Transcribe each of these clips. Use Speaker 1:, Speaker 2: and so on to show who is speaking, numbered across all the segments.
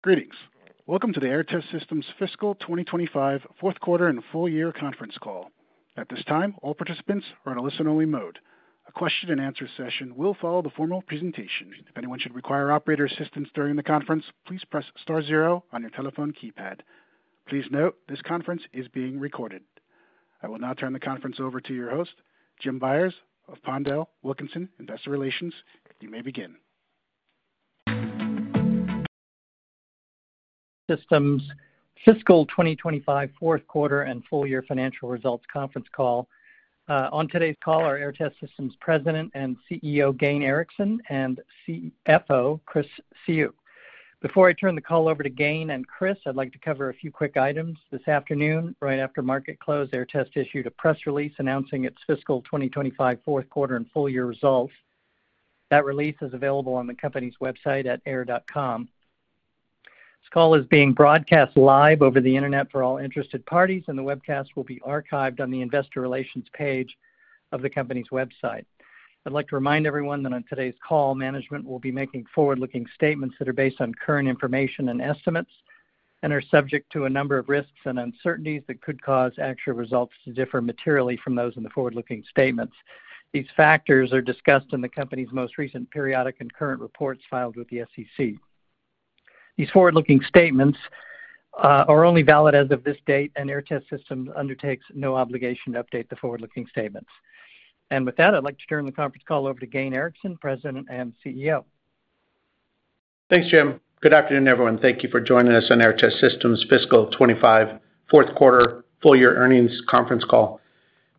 Speaker 1: Greetings. Welcome to the Aerotest Systems Fiscal twenty twenty five Fourth Quarter and Full Year Conference Call. At this time, all participants are in a listen only mode. A question and answer session will follow the formal presentation. Please note this conference is being recorded. I will now turn the conference over to your host, Jim Byers of Pondell Wilkinson, Investor Relations. You may begin.
Speaker 2: Systems fiscal twenty twenty five fourth quarter and full year financial results Conference Call. On today's call are Aortest Systems' President and CEO, Gane Erickson and CFO, Chris Siu. Before I turn the call over to Gane and Chris, I'd like to cover a few quick items. This afternoon, right after market close, Aehr Test issued a press release announcing its fiscal twenty twenty five fourth quarter and full year results. That release is available on the company's website at air.com. This call is being broadcast live over the Internet for all interested parties, and the webcast will be archived on the Investor Relations page of the company's website. I'd like to remind everyone that on today's call, management will be making forward looking statements that are based on current information and estimates and are subject to a number of risks and uncertainties that could cause actual results to differ materially from those in the forward looking statements. These factors are discussed in the company's most recent periodic and current reports filed with the SEC. These forward looking statements are only valid as of this date, and Airtest Systems undertakes no obligation to update the forward looking statements. And with that, I'd like to turn the conference call over to Gayn Erickson, President and CEO.
Speaker 3: Thanks, Jim. Good afternoon, everyone. Thank you for joining us on Airtest Systems' fiscal 'twenty five fourth quarter full year earnings conference call.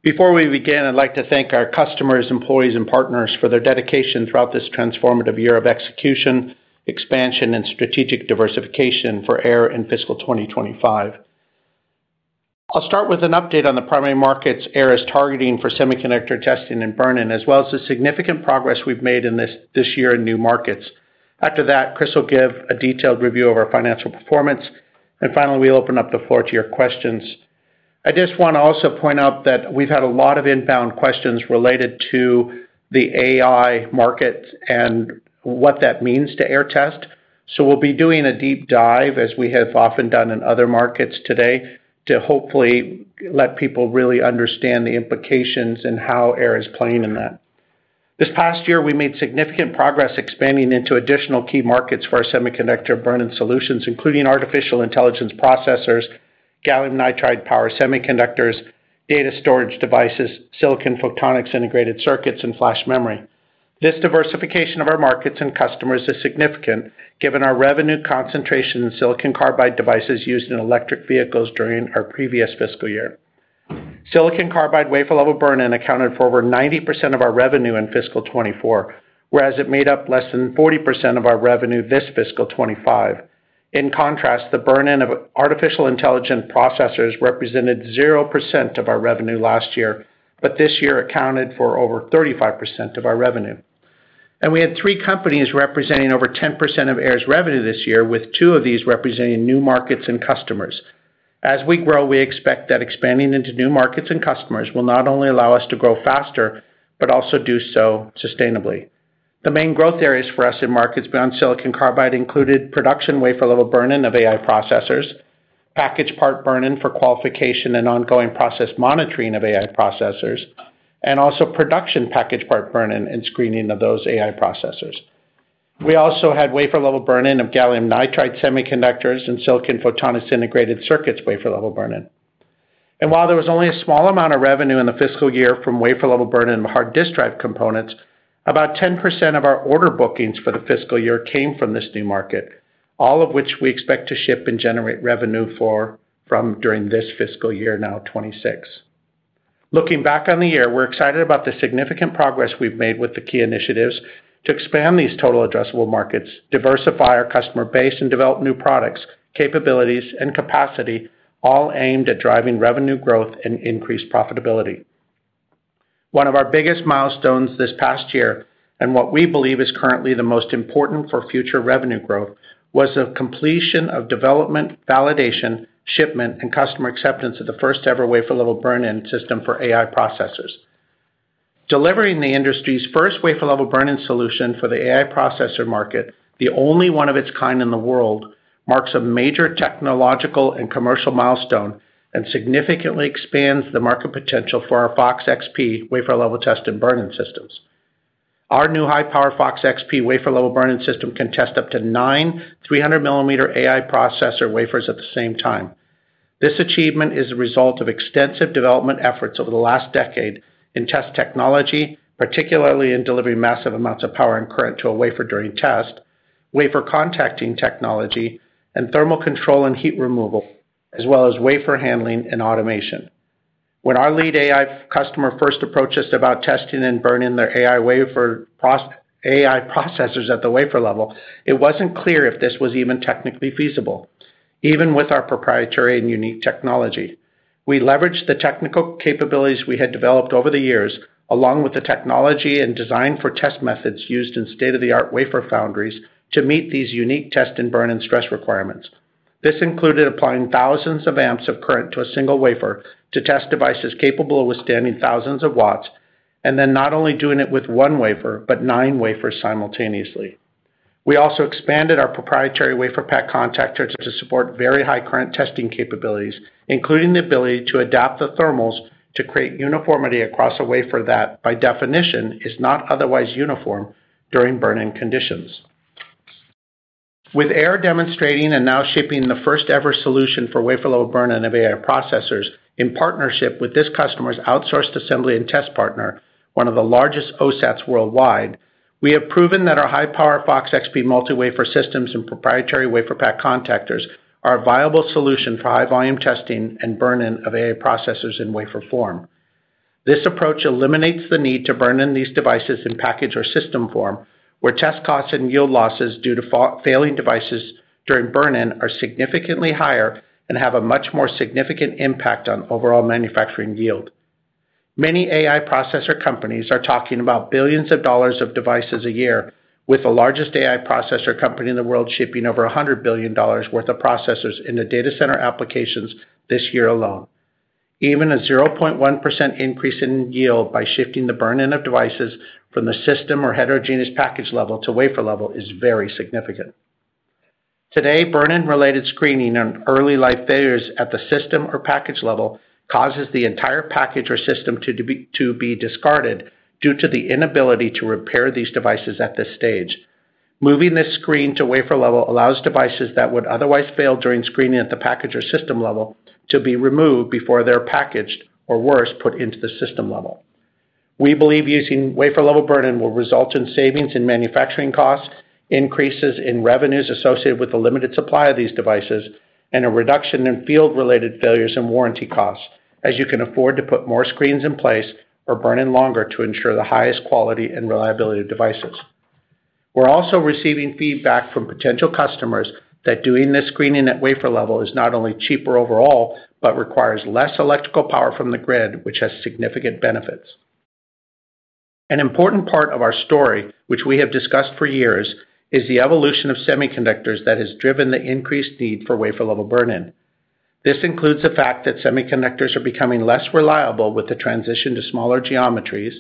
Speaker 3: Before we begin, I'd like to thank our customers, employees and partners for their dedication throughout this transformative year of execution, expansion and strategic diversification for Eyre in fiscal twenty twenty five. I'll start with an update on the primary markets Eyre is targeting for semiconductor testing and burn in as well as the significant progress we've made in this year in new markets. After that, Chris will give a detailed review of our financial performance. And finally, we'll open up the floor to your questions. I just want to also point out that we've had a lot of inbound questions related to the AI market and what that means to AiR Test. So we'll be doing a deep dive as we have often done in other markets today to hopefully let people really understand the implications and how AiR is playing in that. This past year, we made significant progress expanding into additional key markets for semiconductor burn in solutions, including artificial intelligence processors, gallium nitride power semiconductors, data storage devices, silicon photonics integrated circuits and flash memory. This diversification of our markets and customers is significant given our revenue concentration in silicon carbide devices used in electric vehicles during our previous fiscal year. Silicon carbide wafer level burn in accounted for over 90% of our revenue in fiscal twenty twenty four, whereas it made up less than 40% of our revenue this fiscal twenty twenty five. In contrast, the burn in of artificial intelligence processors represented 0% of our revenue last year, but this year accounted for over 35% of our revenue. And we had three companies representing over 10% of Air's revenue this year, with two of these representing new markets and customers. As we grow, we expect that expanding into new markets and customers will not only allow us to grow faster, but also do so sustainably. The main growth areas for us in markets beyond silicon carbide included production wafer level burn in of AI processors, package part burn in for qualification and ongoing process monitoring of AI processors, and also production package part burn in and screening of those AI processors. We also had wafer level burn in of gallium nitride semiconductors and silicon photonics integrated circuits wafer level burn in. And while there was only a small amount of revenue in the fiscal year from wafer level burn in hard disk drive components, about 10% of our order bookings for the fiscal year came from this new market, all of which we expect to ship and generate revenue for from during this fiscal year, now '26. Looking back on the year, we're excited about the significant progress we've made with the key initiatives to expand these total addressable markets, diversify our customer base and develop new products, capabilities and capacity, all aimed at driving revenue growth and increased profitability. One of our biggest milestones this past year, and what we believe is currently the most important for future revenue growth, was the completion of development, validation, shipment and customer acceptance of the first ever wafer level burn in system for AI processors. Delivering the industry's first wafer level burn in solution for the AI processor market, the only one of its kind in the world, marks a major technological and commercial milestone and significantly expands the market potential for our FOX XP wafer level test and burn in systems. Our new high power FOX XP wafer level burn in system can test up to nine three hundred millimeter AI processor wafers at the same time. This achievement is a result of extensive development efforts over the last decade in test technology, particularly in delivering massive amounts of power and current to a wafer during test, wafer contacting technology, and thermal control and heat removal, as well as wafer handling and automation. When our lead AI customer first approached us about testing and burning their AI processors at the wafer level, it wasn't clear if this was even technically feasible, even with our proprietary and unique technology. We leveraged the technical capabilities we had developed over the years, along with the technology and design for test methods used in state of the art wafer foundries to meet these unique test and burn in stress requirements. This included applying thousands of amps of current to a single wafer to test devices capable of withstanding thousands of watts, and then not only doing it with one wafer, but nine wafers simultaneously. We also expanded our proprietary WaferPak contactor to support very high current testing capabilities, including the ability to adapt the thermals to create uniformity across a wafer that by definition is not otherwise uniform during burn in conditions. With Aehr demonstrating and now shipping the first ever solution for wafer level burn in of AI processors in partnership with this customer's outsourced assembly and test partner, one of the largest OSATs worldwide, we have proven that our high power FOX XP multi wafer systems and proprietary WaferPak contactors are a viable solution for high volume testing processors in wafer form. This approach eliminates the need to burn in these devices in package or system form, where test costs and yield losses due to failing devices during burn in are significantly higher and have a much more significant impact on overall manufacturing yield. Many AI processor companies are talking about billions of dollars of devices a year, with the largest AI processor company in the world shipping over $100,000,000,000 worth of processors in the data center applications this year alone. Even a 0.1% increase in yield by shifting the burn in of devices from the system or heterogeneous package level to wafer level is very significant. Today, burn in related screening and early life failures at the system or package level causes the entire package or system to be discarded due to the inability to repair these devices at this stage. Moving this screen to wafer level allows devices that would otherwise fail during screening at the package or system level to be removed before they're packaged, or worse, put into the system level. We believe using wafer level burn in will result in savings in manufacturing costs, increases in revenues associated with the limited supply of these devices, and a reduction in field related failures and warranty costs, as you can afford to put more screens in place or burn in longer to ensure the highest quality and reliability of devices. We're also receiving feedback from potential customers that doing this screening at wafer level is not only cheaper overall, but requires less electrical power from the grid, which has significant benefits. An important part of our story, which we have discussed for years, is the evolution of semiconductors that has driven the increased need for wafer level burn in. This includes the fact that semiconductors are becoming less reliable with the transition to smaller geometries,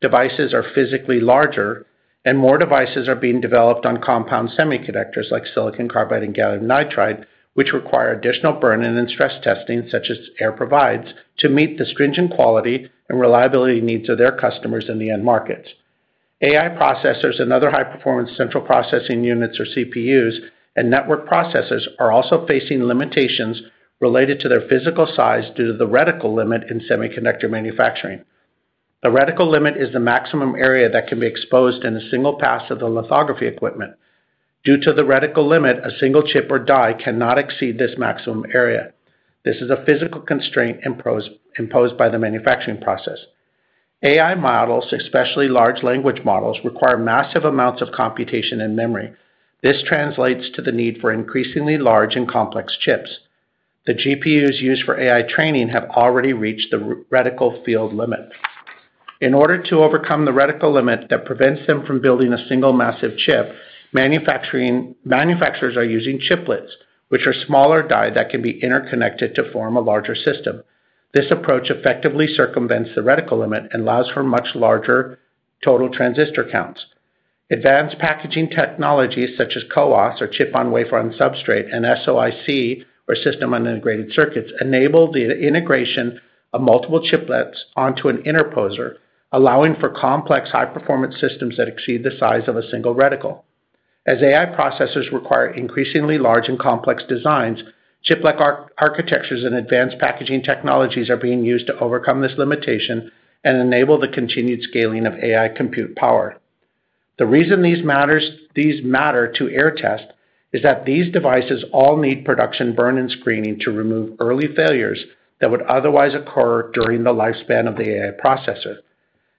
Speaker 3: devices are physically larger and more devices are being developed on compound semiconductors like silicon carbide and gallium nitride, which require additional burn in and stress testing such as air provides to meet the stringent quality and reliability needs of their customers in the end markets. AI processors and other high performance central processing units or CPUs and network processors are also facing limitations related to their physical size due to the reticle limit in semiconductor manufacturing. The reticle limit is the maximum area that can be exposed in a single pass of the lithography equipment. Due to the reticle limit, a single chip or die cannot exceed this maximum area. This is a physical constraint imposed by the manufacturing process. AI models, especially large language models, require massive amounts of computation and memory. This translates to the need for increasingly large and complex chips. The GPUs used for AI training have already reached the reticle field limit. In order to overcome the reticle limit that prevents them from building a single massive chip, manufacturers are using chiplets, which are smaller die that can be interconnected to form a larger system. This approach effectively circumvents the reticle limit and allows for much larger total transistor counts. Advanced packaging technologies such as COOS or chip on wafer on substrate and SOIC or system unintegrated circuits enable the integration of multiple chiplets onto an interposer, allowing for complex high performance systems that exceed the size of a single reticle. As AI processors require increasingly large and complex designs, chiplet architectures and advanced packaging technologies are being used to overcome this limitation and enable the continued scaling of AI compute power. The reason these matters these matter to Airtest is that these devices all need production burn in screening to remove early failures that would otherwise occur during the lifespan of the AI processor.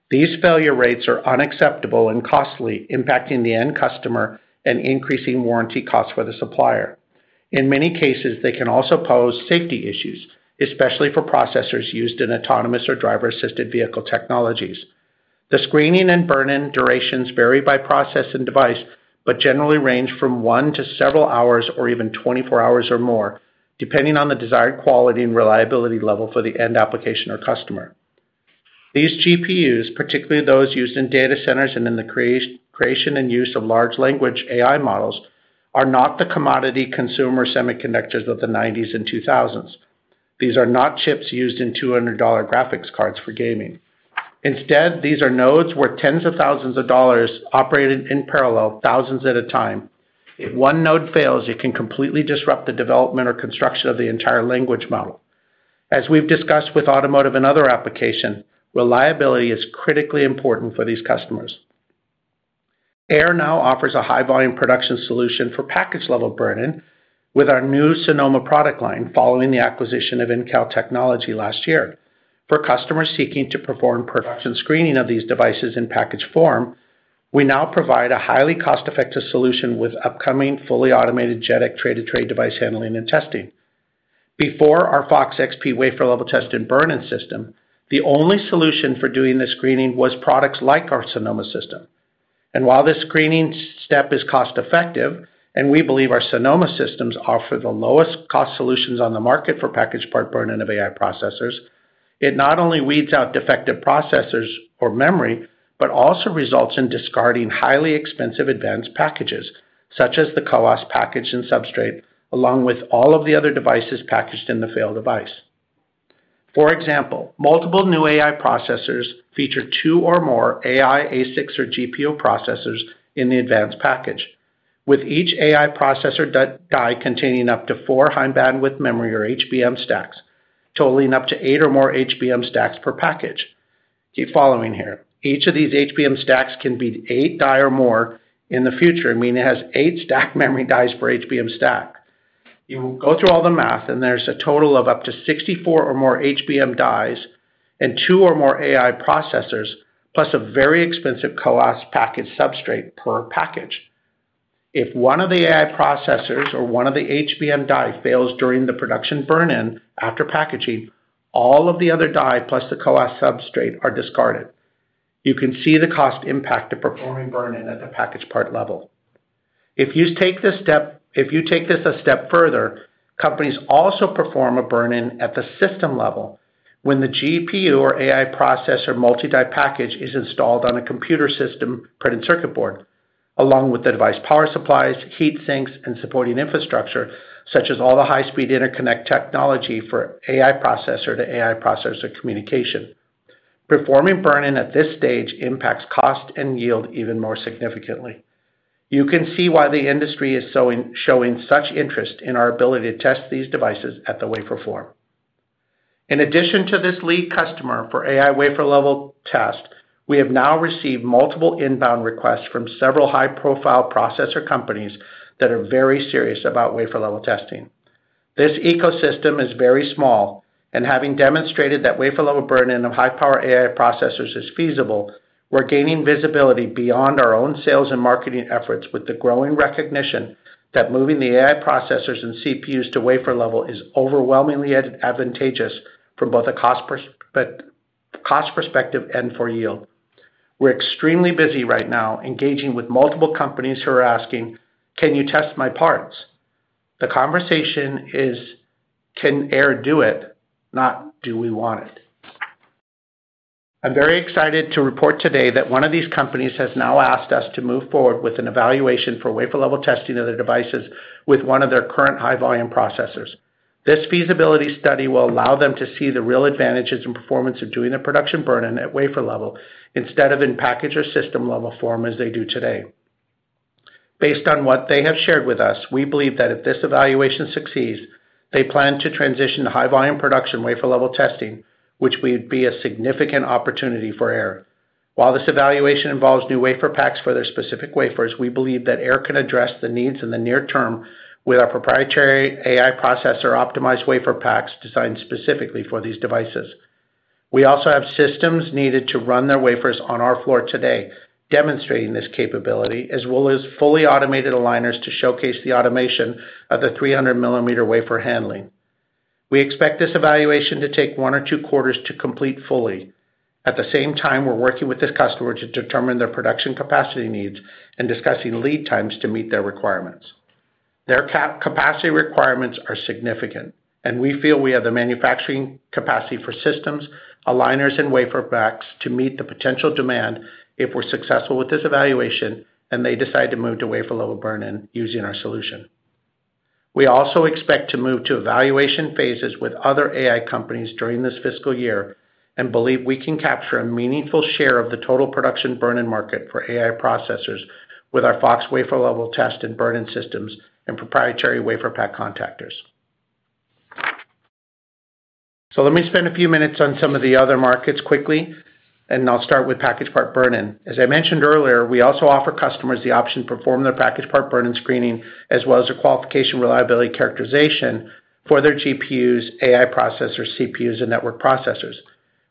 Speaker 3: These failure rates are unacceptable and costly, impacting the end customer and increasing warranty costs for the supplier. In many cases, they can also pose safety issues, especially for processors used in autonomous or driver assisted vehicle technologies. The screening and burn in durations vary by process and device, but generally range from one to several hours or even twenty four hours or more, depending on the desired quality and reliability level for the end application or customer. These GPUs, particularly those used in data centers and in the creation and use of large language AI models, are not the commodity consumer semiconductors of the 90s and 2000s. These are not chips used in $200 graphics cards for gaming. Instead, these are nodes worth tens of thousands of dollars operated in parallel thousands at a time. If one node fails, it can completely disrupt the development or construction of the entire language model. As we've discussed with automotive and other application, reliability is critically important for these customers. AIR now offers a high volume production solution for package level burn in with our new Sonoma product line following the acquisition of InCal Technology last year. For customers seeking to perform production screening of these devices in package form, we now provide a highly cost effective solution with upcoming fully automated JEDEC tray to tray device handling and testing. Before our FOX XP wafer level test and burn in system, the only solution for doing this screening was products like our Sonoma system. And while this screening step is cost effective, and we believe our Sonoma systems offer the lowest cost solutions on the market for packaged part burn in of AI processors, it not only weeds out defective processors or memory, but also results in discarding highly expensive advanced packages, such as the CoASP package and substrate, along with all of the other devices packaged in the failed device. For example, multiple new AI processors feature two or more AI, a six, or GPO processors in the advanced package, with each AI processor die containing up to four high bandwidth memory or HBM stacks, totaling up to eight or more HBM stacks per package. Keep following here. Each of these HBM stacks can be eight die or more in the future, meaning it has eight stack memory dies per HBM stack. You go through all the math and there's a total of up to 64 or more HBM dies and two or more AI processors, plus a very expensive co op package substrate per package. If one of the AI processors or one of the HBM die fails during the production burn in after packaging, all of the other die plus the CoASP substrate are discarded. You can see the cost impact of performing burn in at the package part level. If you take this a step further, companies also perform a burn in at the system level when the GPU or AI processor multi die package is installed on a computer system printed circuit board, along with the device power supplies, heat sinks, and supporting infrastructure, such as all the high speed interconnect technology for AI processor to AI processor communication. Performing burn in at this stage impacts cost and yield even more significantly. You can see why the industry is showing such interest in our ability to test these devices at the wafer form. In addition to this lead customer for AI wafer level test, we have now received multiple inbound requests from several high profile processor companies that are very serious about wafer level testing. This ecosystem is very small, and having demonstrated that wafer level burden of high power AI processors is feasible, we're gaining visibility beyond our own sales and marketing efforts with the growing recognition that moving the AI processors and CPUs to wafer level is overwhelmingly advantageous from both a cost perspective and for yield. We're extremely busy right now engaging with multiple companies who are asking, can you test my parts? The conversation is, can Aehr do it? Not do we want it? I'm very excited to report today that one of these companies has now asked us to move forward with an evaluation for wafer level testing devices with one of their current high volume processors. This feasibility study will allow them to see the real advantages and performance of doing the production burn in at wafer level instead of in package or system level form as they do today. Based on what they have shared with us, we believe that if this evaluation succeeds, they plan to transition to high volume production wafer level testing, which would be a significant opportunity for Ehr. While this evaluation involves new wafer packs for their specific wafers, we believe that Ehre can address the needs in the near term with our proprietary AI processor optimized wafer packs designed specifically for these devices. We also have systems needed to run their wafers on our floor today, demonstrating this capability as well as fully automated aligners to showcase the automation of the 300 millimeter wafer handling. We expect this evaluation to take one or two quarters to complete fully. At the same time, we're working with this customer to determine their production capacity needs and discussing lead times to meet their requirements. Their capacity requirements are significant, and we feel we have the manufacturing capacity for systems, aligners and WaferPaks to meet the potential demand if we're successful with this evaluation and they decide to move to wafer level burn in using our solution. We also expect to move to evaluation phases with other AI companies during this fiscal year, and believe we can capture a meaningful share of the total production burn in market for AI processors with our FOX wafer level test and burn in systems and proprietary WaferPak contactors. So let me spend a few minutes on some of the other markets quickly, and I'll start with packaged part burn in. As I mentioned earlier, we also offer customers the option to perform their packaged part burn in screening, as well as their qualification reliability characterization for their GPUs, AI processors, CPUs and network processors.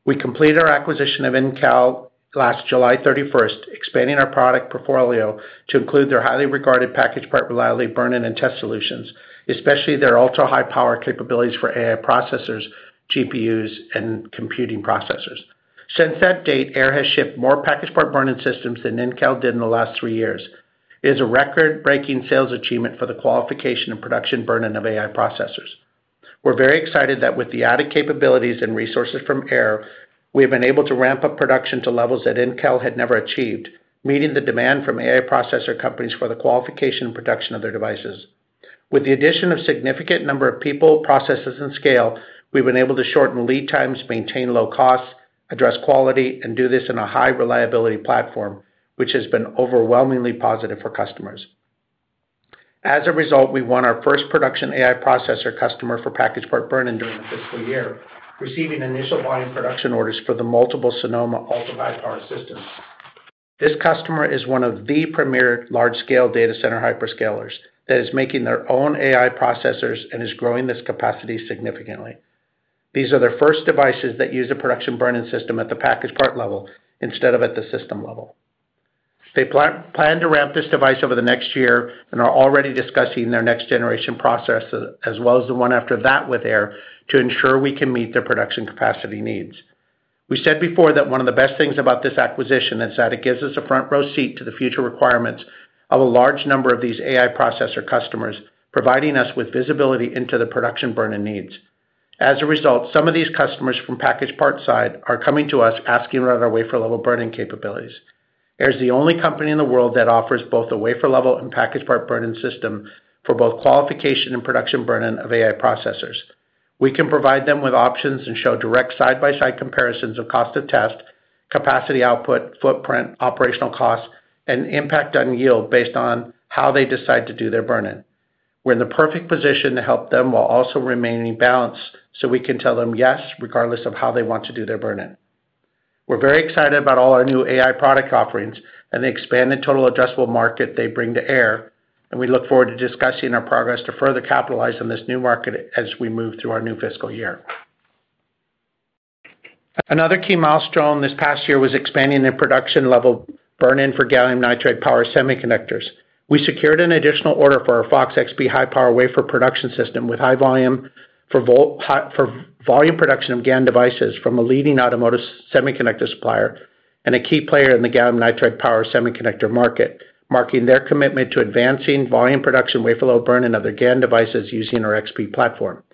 Speaker 3: We completed our acquisition of NCAL last July 31, expanding our product portfolio to include their highly regarded packaged part reliability burn in and test solutions, especially their ultra high power capabilities for AI processors, GPUs and computing processors. Since that date, AIR has shipped more packaged part burn in systems than NINCal did in the last three years. It is a record breaking sales achievement for the qualification and production burn in of AI processors. We're very excited that with the added capabilities and resources from Air, we have been able to ramp up production to levels that Intel had never achieved, meeting the demand from AI processor companies for the qualification and production of their devices. With the addition of significant number of people, processes and scale, we've been able to shorten lead times, maintain low costs, address quality and do this in a high reliability platform, which has been overwhelmingly positive for customers. As a result, we won our first production AI processor customer for packaged part burn in during the fiscal year, receiving initial volume production orders for the multiple Sonoma ultra high power systems. This customer is one of the premier large scale data center hyperscalers that is making their own AI processors and is growing this capacity significantly. These are their first devices that use a production burn in system at the package part level instead of at the system level. They plan to ramp this device over the next year and are already discussing their next generation process as well as the one after that with AIR to ensure we can meet their production capacity needs. We said before that one of the best things about this acquisition is that it gives us a front row seat to the future requirements of a large number of these AI processor customers, providing us with visibility into the production burn in needs. As a result, some of these customers from packaged part side are coming to us asking about our wafer level burning capabilities. Eyre is the only company in the world that offers both the wafer level and packaged part burn in system for both qualification and production burn in of AI processors. We can provide them with options and show direct side by side comparisons of cost of test, capacity output, footprint, operational costs, and impact on yield based on how they decide to do their burn in. We're in the perfect position to help them while also remaining balanced, so we can tell them yes, regardless of how they want to do their burn in. We're very excited about all our new AI product offerings and the expanded total addressable market they bring to air, and we look forward to discussing our progress to further capitalize on this new market as we move through our new fiscal year. Another key milestone this past year was expanding their production level burn in for gallium nitrate power semiconductors. We secured an additional order for our FOX XB high power wafer production system with high volume for volume production of GaN devices from a leading automotive semiconductor supplier and a key player in the gallium nitride power semiconductor market, marking their commitment to advancing volume production wafer level burn in other GaN devices using our XP platform.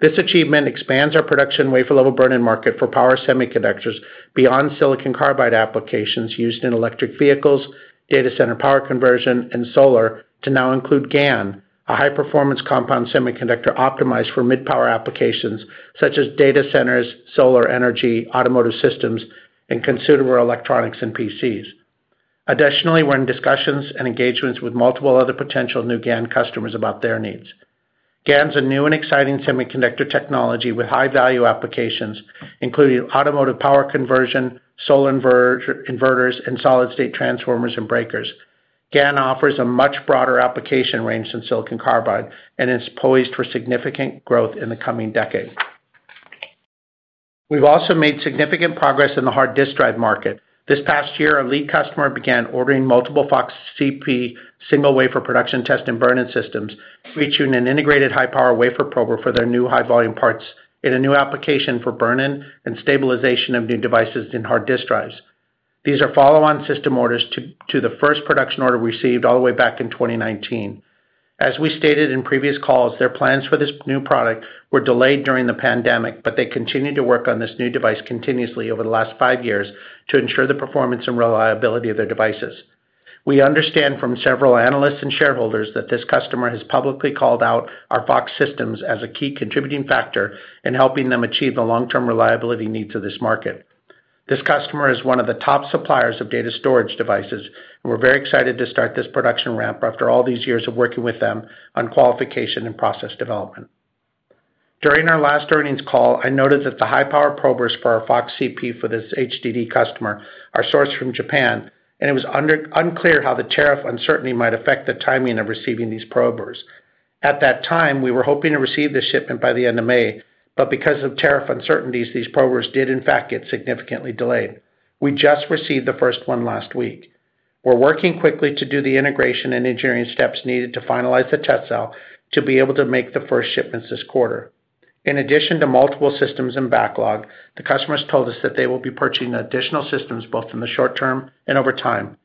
Speaker 3: This achievement expands our production wafer level burn in market for power semiconductors beyond silicon carbide applications used in electric vehicles, data center power conversion and solar to now include GaN, a high performance compound semiconductor optimized for mid power applications such as data centers, solar energy, automotive systems and considerable electronics and PCs. Additionally, we're in discussions and engagements with multiple other potential new GaN customers about their needs. GaN is a new and exciting semiconductor technology with high value applications, including automotive power conversion, solar inverters and solid state transformers and breakers. GaN offers a much broader application range than silicon carbide and is poised for significant growth in the coming decade. We've also made significant progress in the hard disk drive market. This past year, our lead customer began ordering multiple FOX CP single wafer production test and burn in systems, featuring an integrated high power wafer prober for their new high volume parts in a new application for burn in and stabilization of new devices in hard disk drives. These are follow on system orders to the first production order received all the way back in 2019. As we stated in previous calls, their plans for this new product were delayed during the pandemic, but they continue to work on this new device continuously over the last five years to ensure the performance and reliability of their devices. We understand from several analysts and shareholders that this customer has publicly called out our FOX systems as a key contributing factor in helping them achieve the long term reliability needs of this market. This customer is one of the top suppliers of data storage devices. We're very excited to start this production ramp after all these years of working with them on qualification and process development. During our last earnings call, I noted that the high power probers for our FOX CP for this HDD customer are sourced from Japan, and it was unclear how the tariff uncertainty might affect the timing of receiving these probers. At that time, we were hoping to receive the shipment by the May, but because of tariff uncertainties, these probers did in fact get significantly delayed. We just received the first one last week. We're working quickly to do the integration and engineering steps needed to finalize the test cell to be able to make the first shipments this quarter. In addition to multiple systems and backlog, the customers told us that they will be purchasing additional systems both in the short term and over time.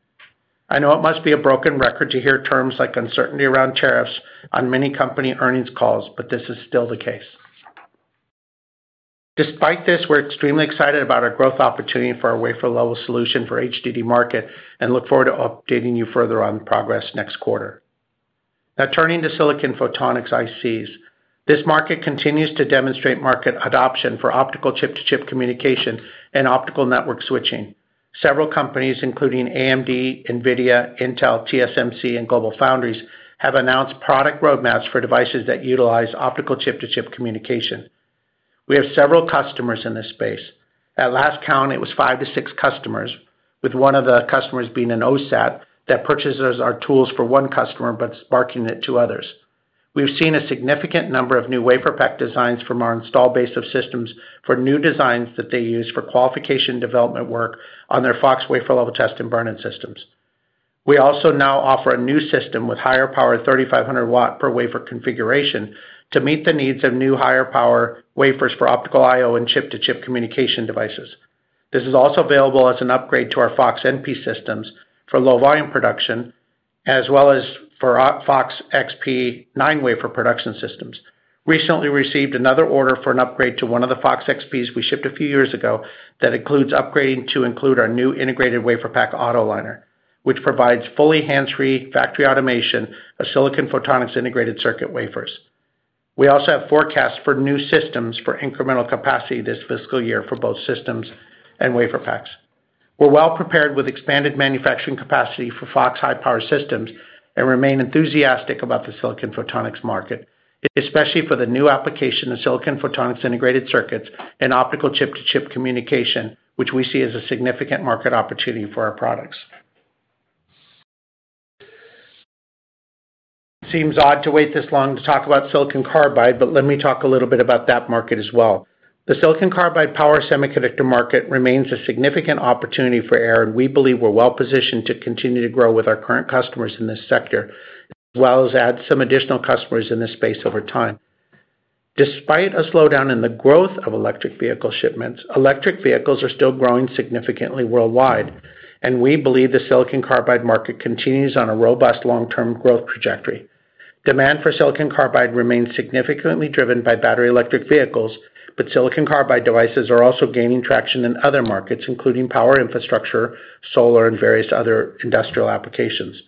Speaker 3: I know it must be a broken record to hear terms like uncertainty around tariffs on many company earnings calls, but this is still the case. Despite this, we're extremely excited about our growth opportunity for our wafer level solution for HDD market and look forward to updating you further on progress next quarter. Now turning to silicon photonics ICs. This market continues to demonstrate market adoption for optical chip to chip communication and optical network switching. Several companies, including AMD, NVIDIA, Intel, TSMC and GlobalFoundries have announced product roadmaps for devices that utilize optical chip to chip communication. We have several customers in this space. At last count, was five to six customers, with one of the customers being an OSAT that purchases our tools for one customer but sparking it to others. We've seen a significant number of new WaferPak designs from our installed base of systems for new designs that they use for qualification development work on their FOX wafer level test and burn in systems. We also now offer a new system with higher power 3,500 watt per wafer configuration to meet the needs of new higher power wafers for optical IO and chip to chip communication devices. This is also available as an upgrade to our FOX NP systems for low volume production, as well as for FOX XP nine wafer production systems. Recently received another order for an upgrade to one of the FOX XPs we shipped a few years ago that includes upgrading to include our new integrated WaferPak auto liner, which provides fully hands free factory automation of silicon photonics integrated circuit wafers. We also have forecasts for new systems for incremental capacity this fiscal year for both systems and WaferPaks. We're well prepared with expanded manufacturing capacity for FOX high power systems and remain enthusiastic about the silicon photonics market, especially for the new application of silicon photonics integrated circuits and optical chip to chip communication, which we see as a significant market opportunity for our products. It seems odd to wait this long to talk about silicon carbide, but let me talk a little bit about that market as well. The silicon carbide power semiconductor market remains a significant opportunity for Air, and we believe we're well positioned to continue to grow with our current customers in this sector, as well as add some additional customers in this space over time. Despite a slowdown in the growth of electric vehicle shipments, electric vehicles are still growing significantly worldwide, and we believe the silicon carbide market continues on a robust long term growth trajectory. Demand for silicon carbide remains significantly driven by battery electric vehicles, but silicon carbide devices are also gaining traction in other markets including power infrastructure, solar and various other industrial applications.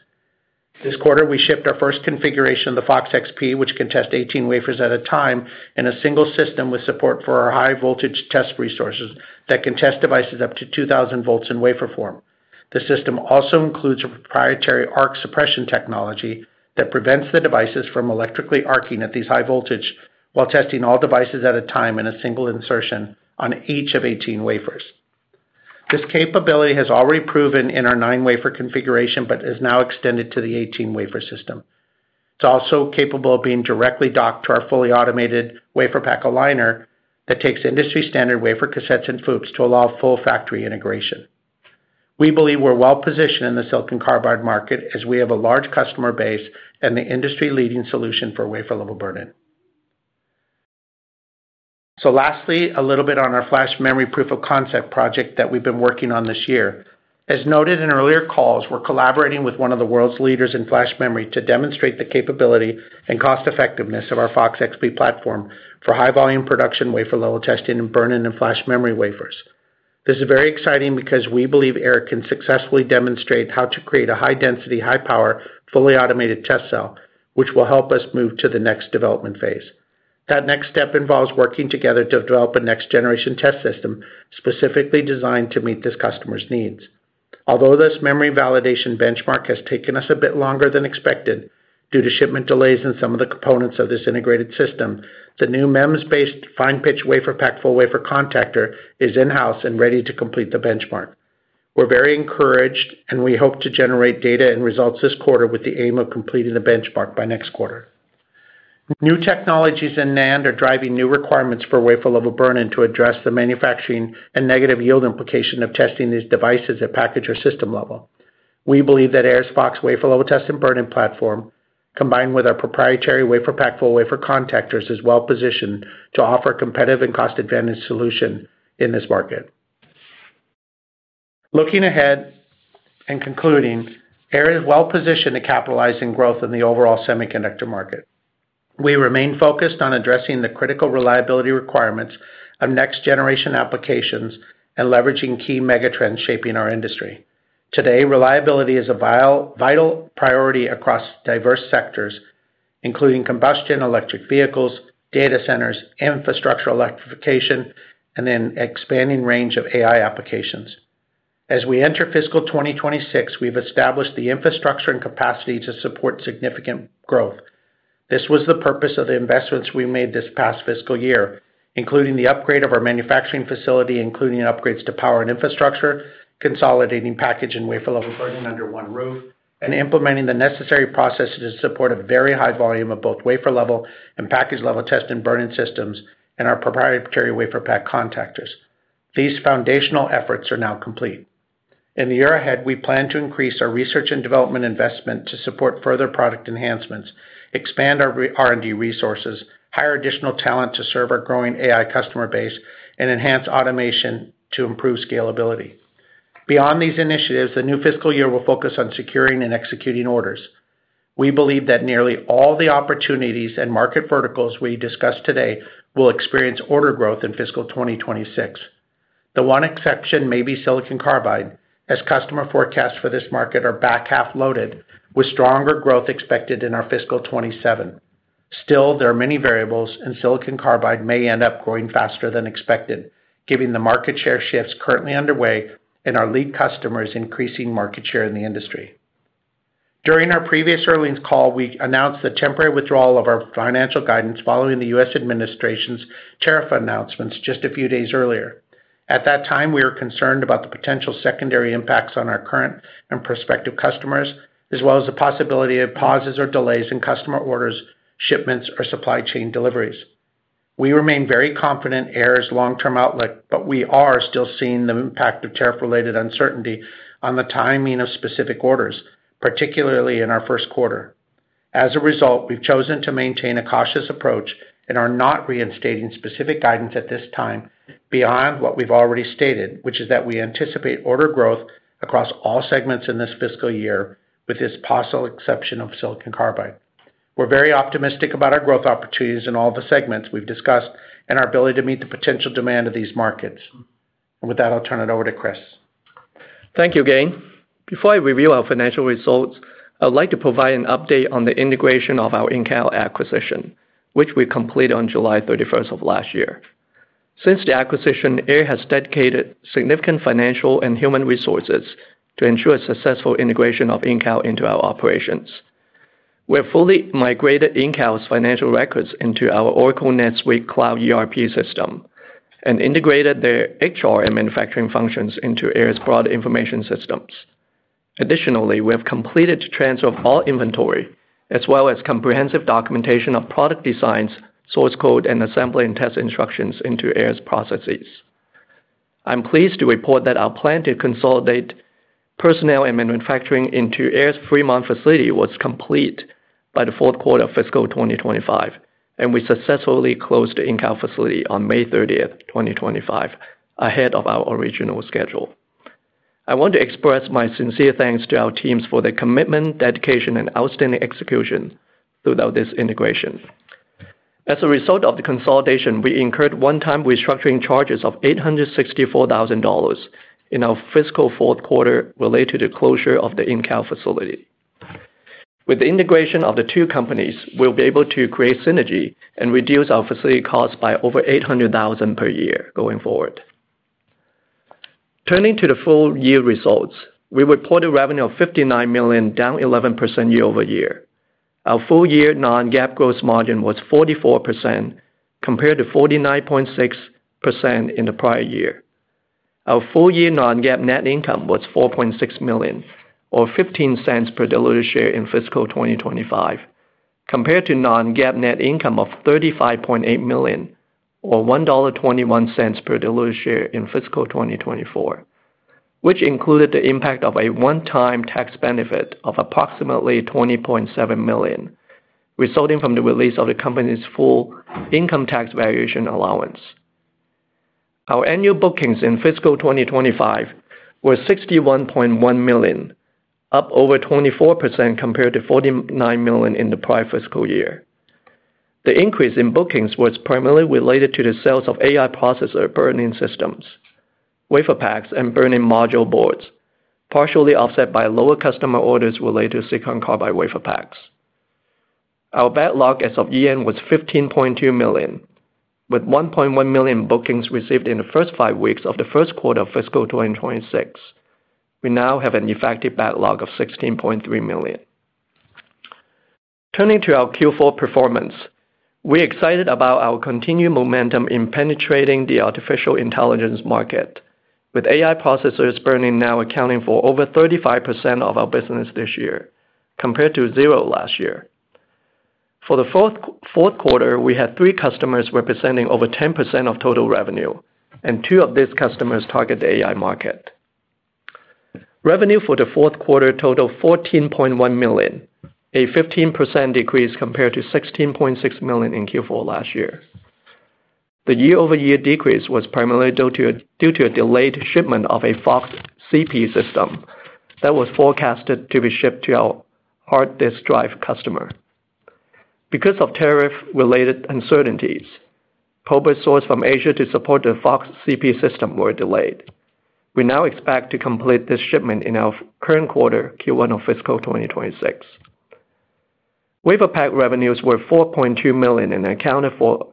Speaker 3: This quarter, we shipped our first configuration of the FOX XP, which can test 18 wafers at a time in a single system with support for our high voltage test resources that can test devices up to 2,000 volts in wafer form. The system also includes a proprietary arc suppression technology that prevents the devices from electrically arcing at these high voltage, while testing all devices at a time in a single insertion on each of 18 wafers. This capability has already proven in our nine wafer configuration, but is now extended to the 18 wafer system. It's also capable of being directly docked to our fully automated WaferPak aligner that takes industry standard wafer cassettes and FUPs to allow full factory integration. We believe we're well positioned in the silicon carbide market as we have a large customer base and the industry leading solution for wafer level burn in. So lastly, a little bit on our flash memory proof of concept project that we've been working on this year. As noted in earlier calls, we're collaborating with one of the world's leaders in flash memory to demonstrate the capability and cost effectiveness of our FOX XP platform for high volume production wafer level testing and burn in and flash memory wafers. This is very exciting because we believe ERIC can successfully demonstrate how to create a high density, high power, fully automated test cell, which will help us move to the next development phase. That next step involves working together to develop a next generation test system specifically designed to meet this customer's needs. Although this memory validation benchmark has taken us a bit longer than expected due to shipment delays in some of the components of this integrated system, the new MEMS based fine pitch wafer packed full wafer contactor is in house and ready to complete the benchmark. We're very encouraged and we hope to generate data and results this quarter with the aim of completing the benchmark by next quarter. New technologies in NAND are driving new requirements for wafer level burn in to address the manufacturing and negative yield implication of testing these devices at package or system level. We believe that AerosVox wafer level test and burn in platform combined with our proprietary WaferPak full wafer contactors is well positioned to offer competitive and cost advantage solution in this market. Looking ahead and concluding, Aire is well positioned to capitalize in growth in the overall semiconductor market. We remain focused on addressing the critical reliability requirements of next generation applications and leveraging key megatrends shaping our industry. Today, reliability is a vital priority across diverse sectors, including combustion, electric vehicles, data centers, infrastructure electrification and then expanding range of AI applications. As we enter fiscal twenty twenty six, we've established the infrastructure and capacity to support significant growth. This was the purpose of the investments we made this past fiscal year, including the upgrade of our manufacturing facility, including upgrades to power and infrastructure, consolidating package and wafer level burning under one roof, and implementing the necessary processes to support a very high volume of both wafer level and package level test and burn in systems and our proprietary WaferPak contactors. These foundational efforts are now complete. In the year ahead, we plan to increase our research and development investment to support further product enhancements, expand our R and D resources, hire additional talent to serve our growing AI customer base and enhance automation to improve scalability. Beyond these initiatives, the new fiscal year will focus on securing and executing orders. We believe that nearly all the opportunities and market verticals we discuss today will experience order growth in fiscal twenty twenty six. The one exception may be silicon carbide, as customer forecasts for this market are back half loaded with stronger growth expected in our fiscal twenty twenty seven. Still, there are many variables and silicon carbide may end up growing faster than expected, given the market share shifts currently underway and our lead customers increasing market share in the industry. During call, we announced the temporary withdrawal of our financial guidance following the U. S. Administration's tariff announcements just a few days earlier. Customers At that time, we are concerned about the potential secondary impacts on our current and prospective customers as well as the possibility of pauses or delays in customer orders, shipments or supply chain deliveries. We remain very confident in Air's long term outlook, but we are still seeing the impact of tariff related uncertainty on the timing of specific orders, particularly in our first quarter. As a result, we've chosen to maintain a cautious approach and are not reinstating specific guidance at this time beyond what we've already stated, which is that we anticipate order growth across all segments in this fiscal year with this possible exception of silicon carbide. We're very optimistic about our growth opportunities in all the segments we've discussed and our ability to meet the potential demand of these markets. And with that, I'll turn it over to Chris.
Speaker 4: Thank you, Gayn. Before I review our financial results, I'd like to provide an update on the integration of our InCal acquisition, which we completed on July thirty first of last year. Since the acquisition, AIR has dedicated significant financial and human resources to ensure a successful integration of InCal into our operations. We have fully migrated InCal's financial records into our Oracle NetSuite Cloud ERP system and integrated their HR and manufacturing functions into Air's broad information systems. Additionally, we have completed to transfer all inventory, as well as comprehensive documentation of product designs, source code and assembly and test instructions into Ehlers processes. I'm pleased to report that our plan to consolidate personnel and manufacturing into Ayres Fremont facility was complete by the fourth quarter of fiscal twenty twenty five and we successfully closed the InCal facility on 05/30/2025 ahead of our original schedule. I want to express my sincere thanks to our teams for their commitment, dedication and outstanding execution throughout this integration. As a result of the consolidation, we incurred one time restructuring charges of 864,000 in our fiscal fourth quarter related to closure of the In Cow facility. With the integration of the two companies, we'll be able to create synergy and reduce our facility costs by over $800,000 per year going forward. Turning to the full year results, we reported revenue of $59,000,000 down 11% year over year. Our full year non GAAP gross margin was 44% compared to 49.6% in the prior year. Our full year non GAAP net income was $4,600,000 or $0.15 per diluted share in fiscal twenty twenty five compared to non GAAP net income of $35,800,000 or $1.21 per diluted share in fiscal twenty twenty four, which included the impact of a one time tax benefit of approximately $20,700,000 resulting from the release of the company's full income tax valuation allowance. Our annual bookings in fiscal twenty twenty five were $61,100,000 up over 24% compared to $49,000,000 in the prior fiscal year. The increase in bookings was primarily related to the sales of AI processor burn in systems, WaferPaks and burn in module boards, partially offset by lower customer orders related to silicon carbide WaferPaks. Our backlog as of year end was 15,200,000.0 with 1,100,000 bookings received in the first five weeks of the first quarter of fiscal twenty twenty six. We now have an effective backlog of $16,300,000 Turning to our Q4 performance. We're excited about our continued momentum in penetrating the artificial intelligence market with AI processors burning now accounting for over 35% of our business this year compared to zero last year. For the fourth quarter, we had three customers representing over 10% of total revenue and two of these customers target the AI market. Revenue for the fourth quarter totaled 14,100,000.0 a 15% decrease compared to $16,600,000 in Q4 last year. The year over year decrease was primarily due to a delayed shipment of a FOX CP system that was forecasted to be shipped to our hard disk drive customer. Because of tariff related uncertainties, COVID sourced from Asia to support the FOX CP system were delayed. We now expect to complete this shipment in our current quarter Q1 of fiscal twenty twenty six. WaferPak revenues were $4,200,000 and accounted for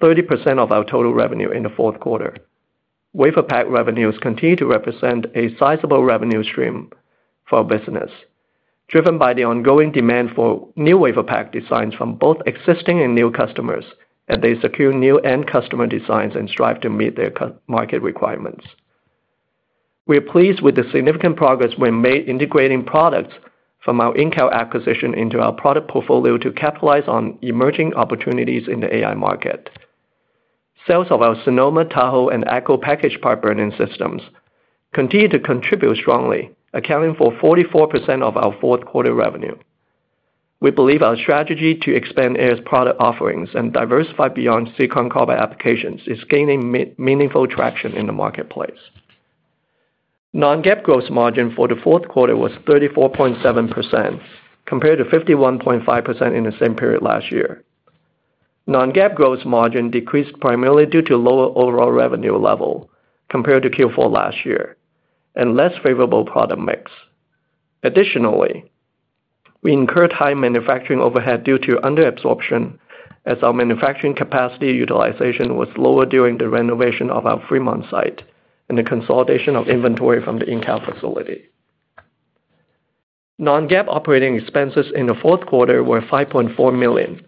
Speaker 4: 30% of our total revenue in the fourth quarter. WaferPak revenues continue to represent a sizable revenue stream for our business, driven by the ongoing demand for new WaferPak designs from both existing and new customers as they secure new end customer designs and strive to meet their market requirements. We are pleased with the significant progress we made integrating products from our In Cal acquisition into our product portfolio to capitalize on emerging opportunities in the AI market. Sales of our Sonoma, Tahoe and Echo package part burn in systems continue to contribute strongly, accounting for 44% of our fourth quarter revenue. We believe our strategy to expand AIR's product offerings and diversify beyond silicon carbide applications is gaining meaningful traction in the marketplace. Non GAAP gross margin for the fourth quarter was 34.7% compared to 51.5% in the same period last year. Non GAAP gross margin decreased primarily due to lower overall revenue level compared to Q4 last year and less favorable product mix. Additionally, we incurred high manufacturing overhead due to under absorption as our manufacturing capacity utilization was lower during the renovation of our Fremont site and the consolidation of inventory from the InCal facility. Non GAAP operating expenses in the fourth quarter were $5,400,000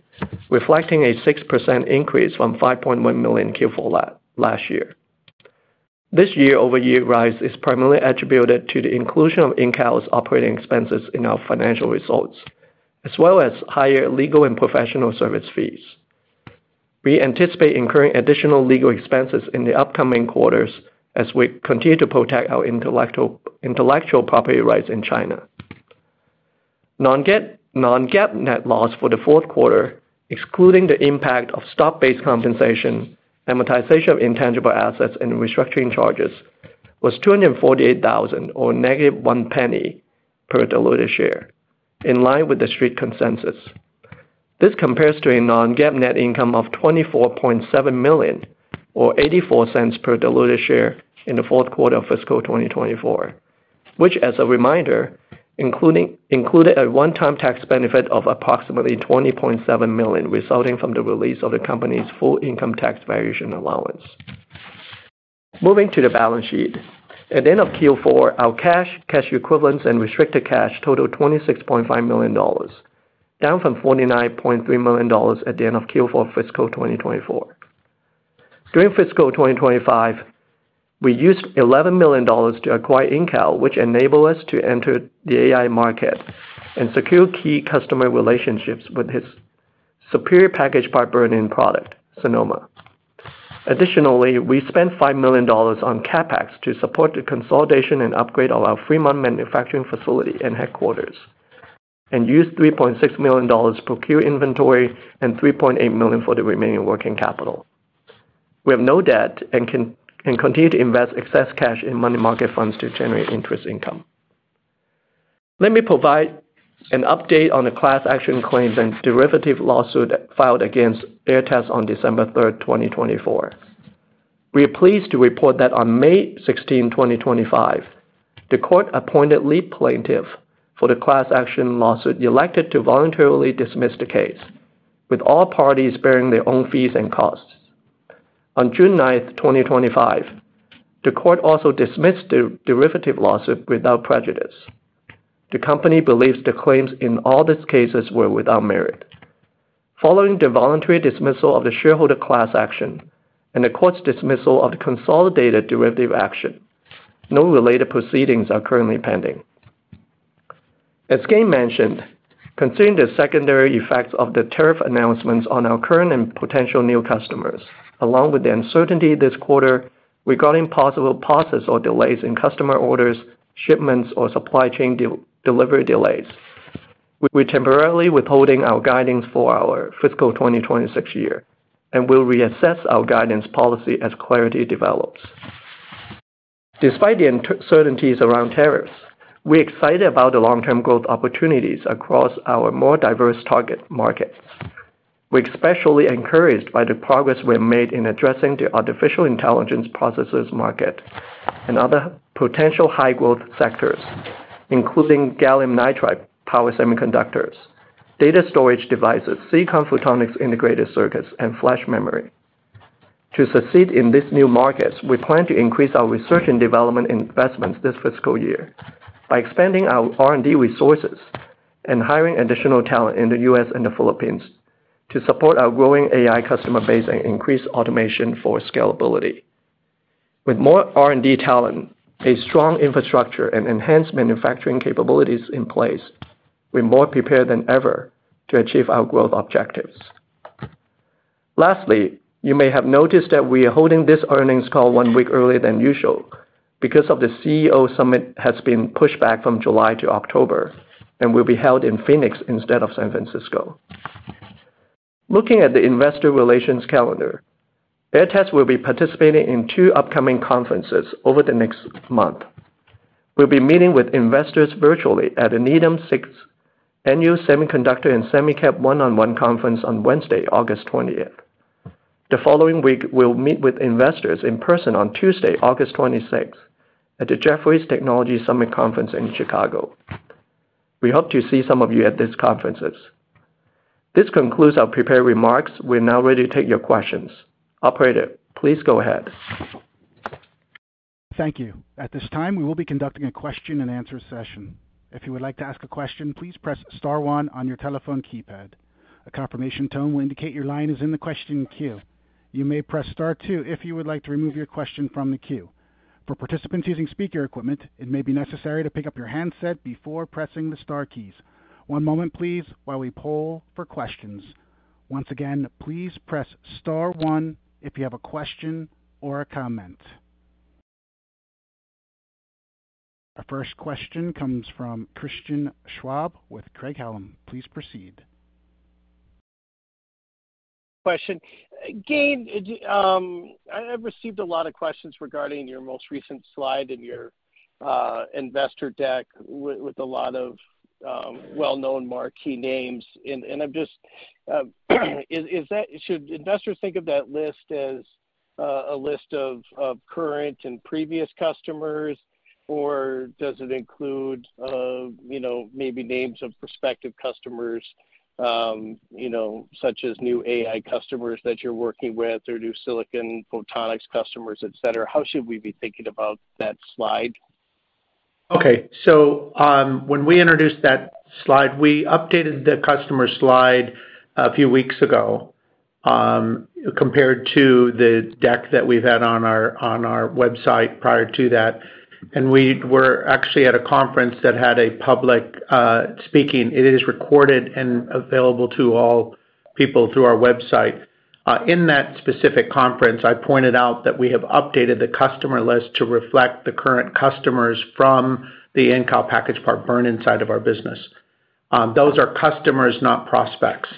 Speaker 4: reflecting a 6% increase from $5,100,000 in Q4 last year. This year over year rise is primarily attributed to the inclusion of InCal's operating expenses in our financial results, as well as higher legal and professional service fees. We anticipate incurring additional legal expenses in the upcoming quarters as we continue to protect our intellectual property rights in China. Non GAAP net loss for the fourth quarter, excluding the impact of stock based compensation, amortization of intangible assets and restructuring charges was $248,000 or negative $01 diluted share in line with the Street consensus. This compares to a non GAAP net income of $24,700,000 or $0.84 per diluted share in the fourth quarter of fiscal twenty twenty four, which as a reminder included a one time tax benefit of approximately $20,700,000 resulting from the release of the company's full income tax valuation allowance. Moving to the balance sheet. At the end of Q4, our cash, cash equivalents and restricted cash totaled $26,500,000 down from $49,300,000 at the end of Q4 fiscal twenty twenty four. During fiscal twenty twenty five, we used $11,000,000 to acquire InCal, which enabled us to enter the AI market and secure key customer relationships with its superior packaged part burn in product Sonoma. Additionally, we spent $5,000,000 on CapEx to support the consolidation and upgrade of our Fremont manufacturing facility and headquarters and used $3,600,000 procure inventory and $3,800,000 for the remaining working capital. We have no debt and continue to invest excess cash in money market funds to generate interest income. Let me provide an update on the class action claims and derivative lawsuit filed against Airtest on 12/03/2024. We are pleased to report that on 05/16/2025, the court appointed lead plaintiff for the class action lawsuit elected to voluntarily dismiss the case with all parties bearing their own fees and costs. On 06/09/2025, the court also dismissed the derivative lawsuit without prejudice. The company believes the claims in all these cases were without merit. Following the voluntary dismissal of the shareholder class action and the court's dismissal of the consolidated derivative action, no related proceedings are currently pending. As Gaye mentioned, considering the secondary effects of the tariff announcements on our current and potential new customers, along with the uncertainty this quarter regarding possible pauses or delays in customer orders, shipments or supply chain delivery delays. We're temporarily withholding our guidance for our fiscal twenty twenty six year and we'll reassess our guidance policy as clarity develops. Despite the uncertainties around tariffs, we're excited about the long term growth opportunities across our more diverse target markets. We're especially encouraged by the progress we have made in addressing the artificial intelligence processes market and other potential high growth sectors, including gallium nitride power semiconductors, data storage devices, CECOM photonic integrated circuits and flash memory. To succeed in this new markets, we plan to increase our research and development investments this fiscal year by expanding our R and D resources and hiring additional talent in The U. S. And The Philippines to support our growing AI customer base and increase automation for scalability. With more R and D talent, a strong infrastructure and enhanced manufacturing capabilities in place, we're more prepared than ever to achieve our growth objectives. Lastly, you may have noticed that we are holding this earnings call one week earlier than usual because of the CEO Summit has been pushed back from July to October and will be held in Phoenix instead of San Francisco. Looking at the Investor Relations calendar, Airtest will be participating in two upcoming conferences over the next month. We'll be meeting with investors virtually at Needham's Six Annual Semiconductor and Semicap one on one Conference on Wednesday, August 20. The following week we'll meet with investors in person on Tuesday, August 26 at the Jefferies Technology Summit Conference in Chicago. We hope to see some of you at these conferences. This concludes our prepared remarks. We're now ready to take your questions. Operator, please go ahead.
Speaker 1: Thank you. At this time, we will be conducting a question and answer session. Please proceed.
Speaker 5: Question. Gain, I have received a lot of questions regarding your most recent slide in your investor deck with a lot of well known marquee names. I'm just is that should investors think of that list as a list of current and previous customers? Or does it include maybe names of prospective customers, such as new customers that you're working with or new silicon photonics customers, etcetera. How should we be thinking about that slide?
Speaker 3: Okay. So when we introduced that slide, we updated the customer slide a few weeks ago compared to the deck that we've had on website prior to that. And we were actually at a conference that had a public speaking. It is recorded and available to all people through our website. In that specific conference, I pointed out that we have updated the customer list to reflect the current customers from the nCal package part burn in side of our business. Those are customers, not prospects.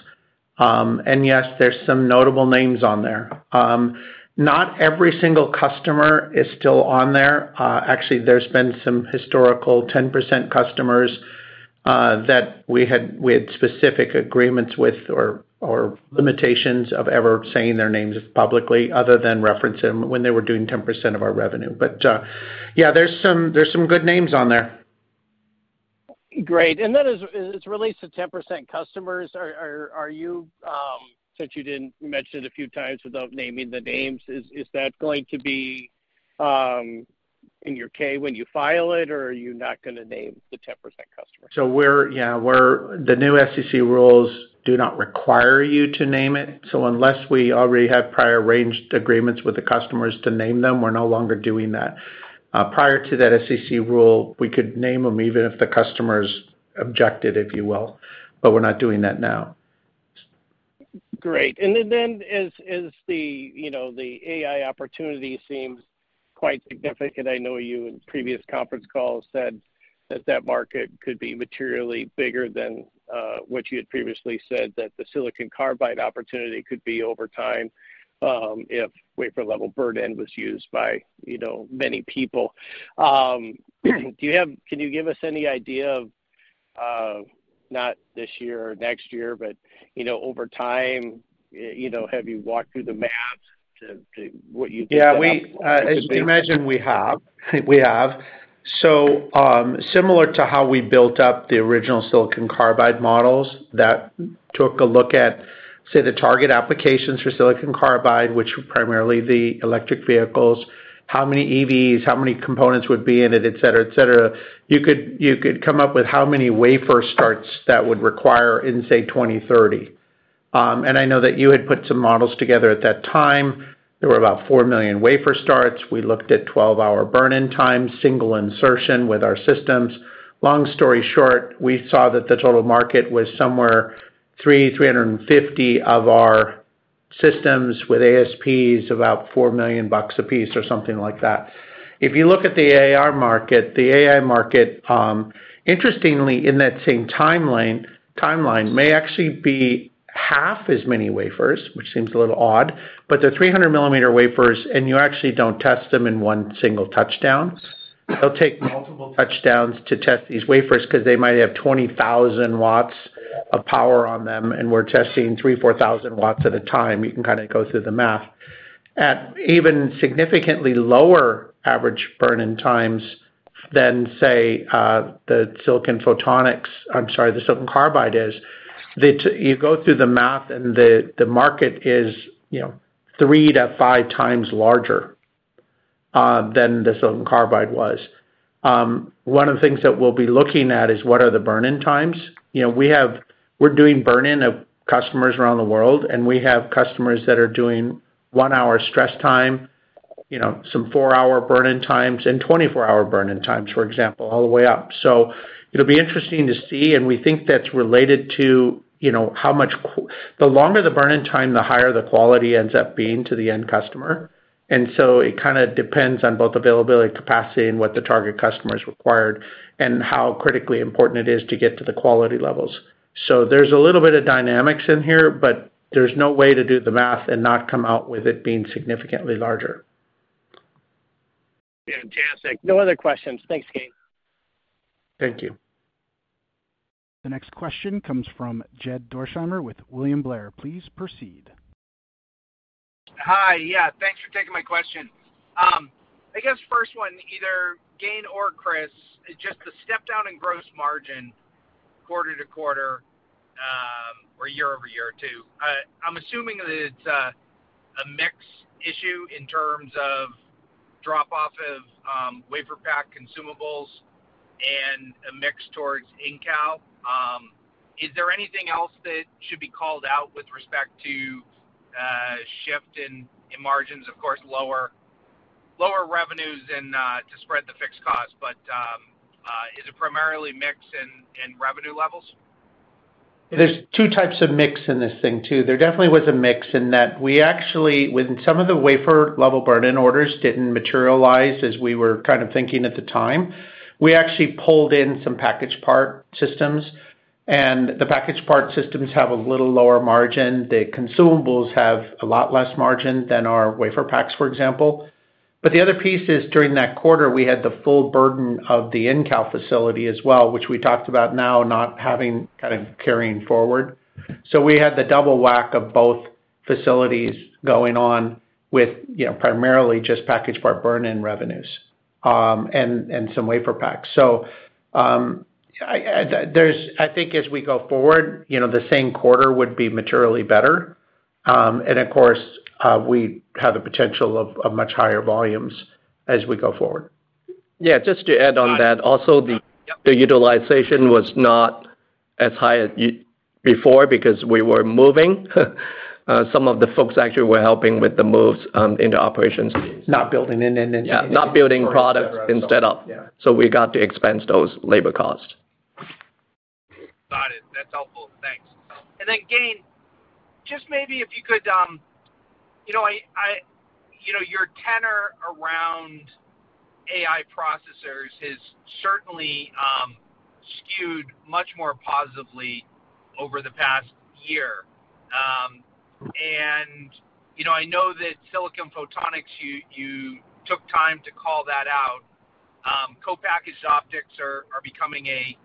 Speaker 3: And yes, there's some notable names on there. Not every single customer is still on there. Actually, there's been some historical 10% customers that specific agreements with or limitations of ever saying their names publicly other than reference them when they were doing 10% of our revenue. But, yeah, there's some there's some good names on there.
Speaker 5: Great. And then as as it relates to 10 customers, are are are you, since you didn't mention it a few times without naming the names, is is that going to be, in your k when you file it, or are you not gonna name the 10% customer?
Speaker 3: So we're yeah. We're the new SEC rules do not require you to name it. So unless we already have prior arranged agreements with the customers to name them, we're no longer doing that. Prior to that SEC rule, we could name them even if the customers objected, if you will, but we're not doing that now.
Speaker 5: Great. And then then as as the, you know, the AI opportunity seems quite significant, I know you in previous conference calls said that that market could be materially bigger than what you had previously said that the silicon carbide opportunity could be over time if wafer level burden was used by many people. Can you give us any idea of not this year or next year, but, you know, over time, you know, have you walked through the math to to what you
Speaker 3: Yeah. We as you imagine, we have. We have. So, similar to how we built up the original silicon carbide models that took a look at, say, the target applications for silicon carbide, were primarily the electric vehicles, how many EVs, how many components would be in it, etcetera, etcetera, you could come up with how many wafer starts that would require in say 02/1930. And I know that you had put some models together at that time. There were about 4,000,000 wafer starts. We looked at twelve hour burn in time, single insertion with our systems. Long story short, we saw that the total market was somewhere 300, 350 of our systems with ASPs, about $4,000,000 apiece or something like that. If you look at the AI market, the AI market, interestingly in that same timeline may actually be half as many wafers, which seems a little odd. But the 300 millimeter wafers and you actually don't test them in one single touchdown. It'll take multiple touchdowns to test these wafers because they might have 20,000 watts of power on them and we're testing 3,000, 4,000 watts at a time. You can kind of go through the math. At even significantly lower average burn in times than say, the silicon photonics, I'm sorry, the silicon carbide is. You go through the math and the market is three to five times larger than the silicon carbide was. One of the things that we'll be looking at is what are the burn in times. We have, we're doing burn in of customers around the world, and we have customers that are doing one hour stress time, some four hour burn in times and twenty four hour burn in times, for example, all the way up. So it'll be interesting to see and we think that's related to how much the longer the burn in time, the higher the quality ends up being to the end customer. And so it kind of depends on both availability, capacity and what the target customers required and how critically important it is to get to the quality levels. So there's a little bit of dynamics in here, but there's no way to do the math and not come out with it being significantly larger.
Speaker 5: Fantastic. No other questions. Thanks, Gayn.
Speaker 3: Thank you.
Speaker 1: The next question comes from Jed Dorsheimer with William Blair. Please proceed.
Speaker 6: Hi. Yeah. Thanks for taking my question. I guess first one, Gain or Chris, just the step down in gross margin quarter to quarter or year over year too. I'm assuming that it's a mix issue in terms of drop off of WaferPak consumables and a mix towards InCal. Is there anything else that should be called out with respect to shift in margins, of course, lower revenues and to spread the fixed cost. But is it primarily mix in revenue levels?
Speaker 3: There's two types of mix in this thing too. There definitely was a mix in that actually with some of the wafer level burn in orders didn't materialize as we were kind of thinking at the time, we actually pulled in some packaged part systems. And the packaged part systems have a little lower margin. The consumables have a lot less margin than our WaferPaks, for example. But the other piece is during that quarter, we had the full burden of the InCal facility as well, which we talked about now not having kind of carrying forward. So we had the double whack of both facilities going on with primarily just packaged part burn in revenues and some WaferPaks. So I think as we go forward, the same quarter would be materially better. And of course, we have the potential of much higher volumes as we go forward.
Speaker 4: Yes, just to add on that also the utilization was not as high as before because we were moving. Some of the folks actually were helping with the moves into operations. Not building products instead of. So we got to expense those labor costs.
Speaker 6: Got it. That's helpful. Thanks. And then, Gain, just maybe if you could, your tenor around AI processors is certainly skewed much more positively over the past year. And, you know, I know that silicon photonics, you you took time to call that out. Copackaged optics are are becoming a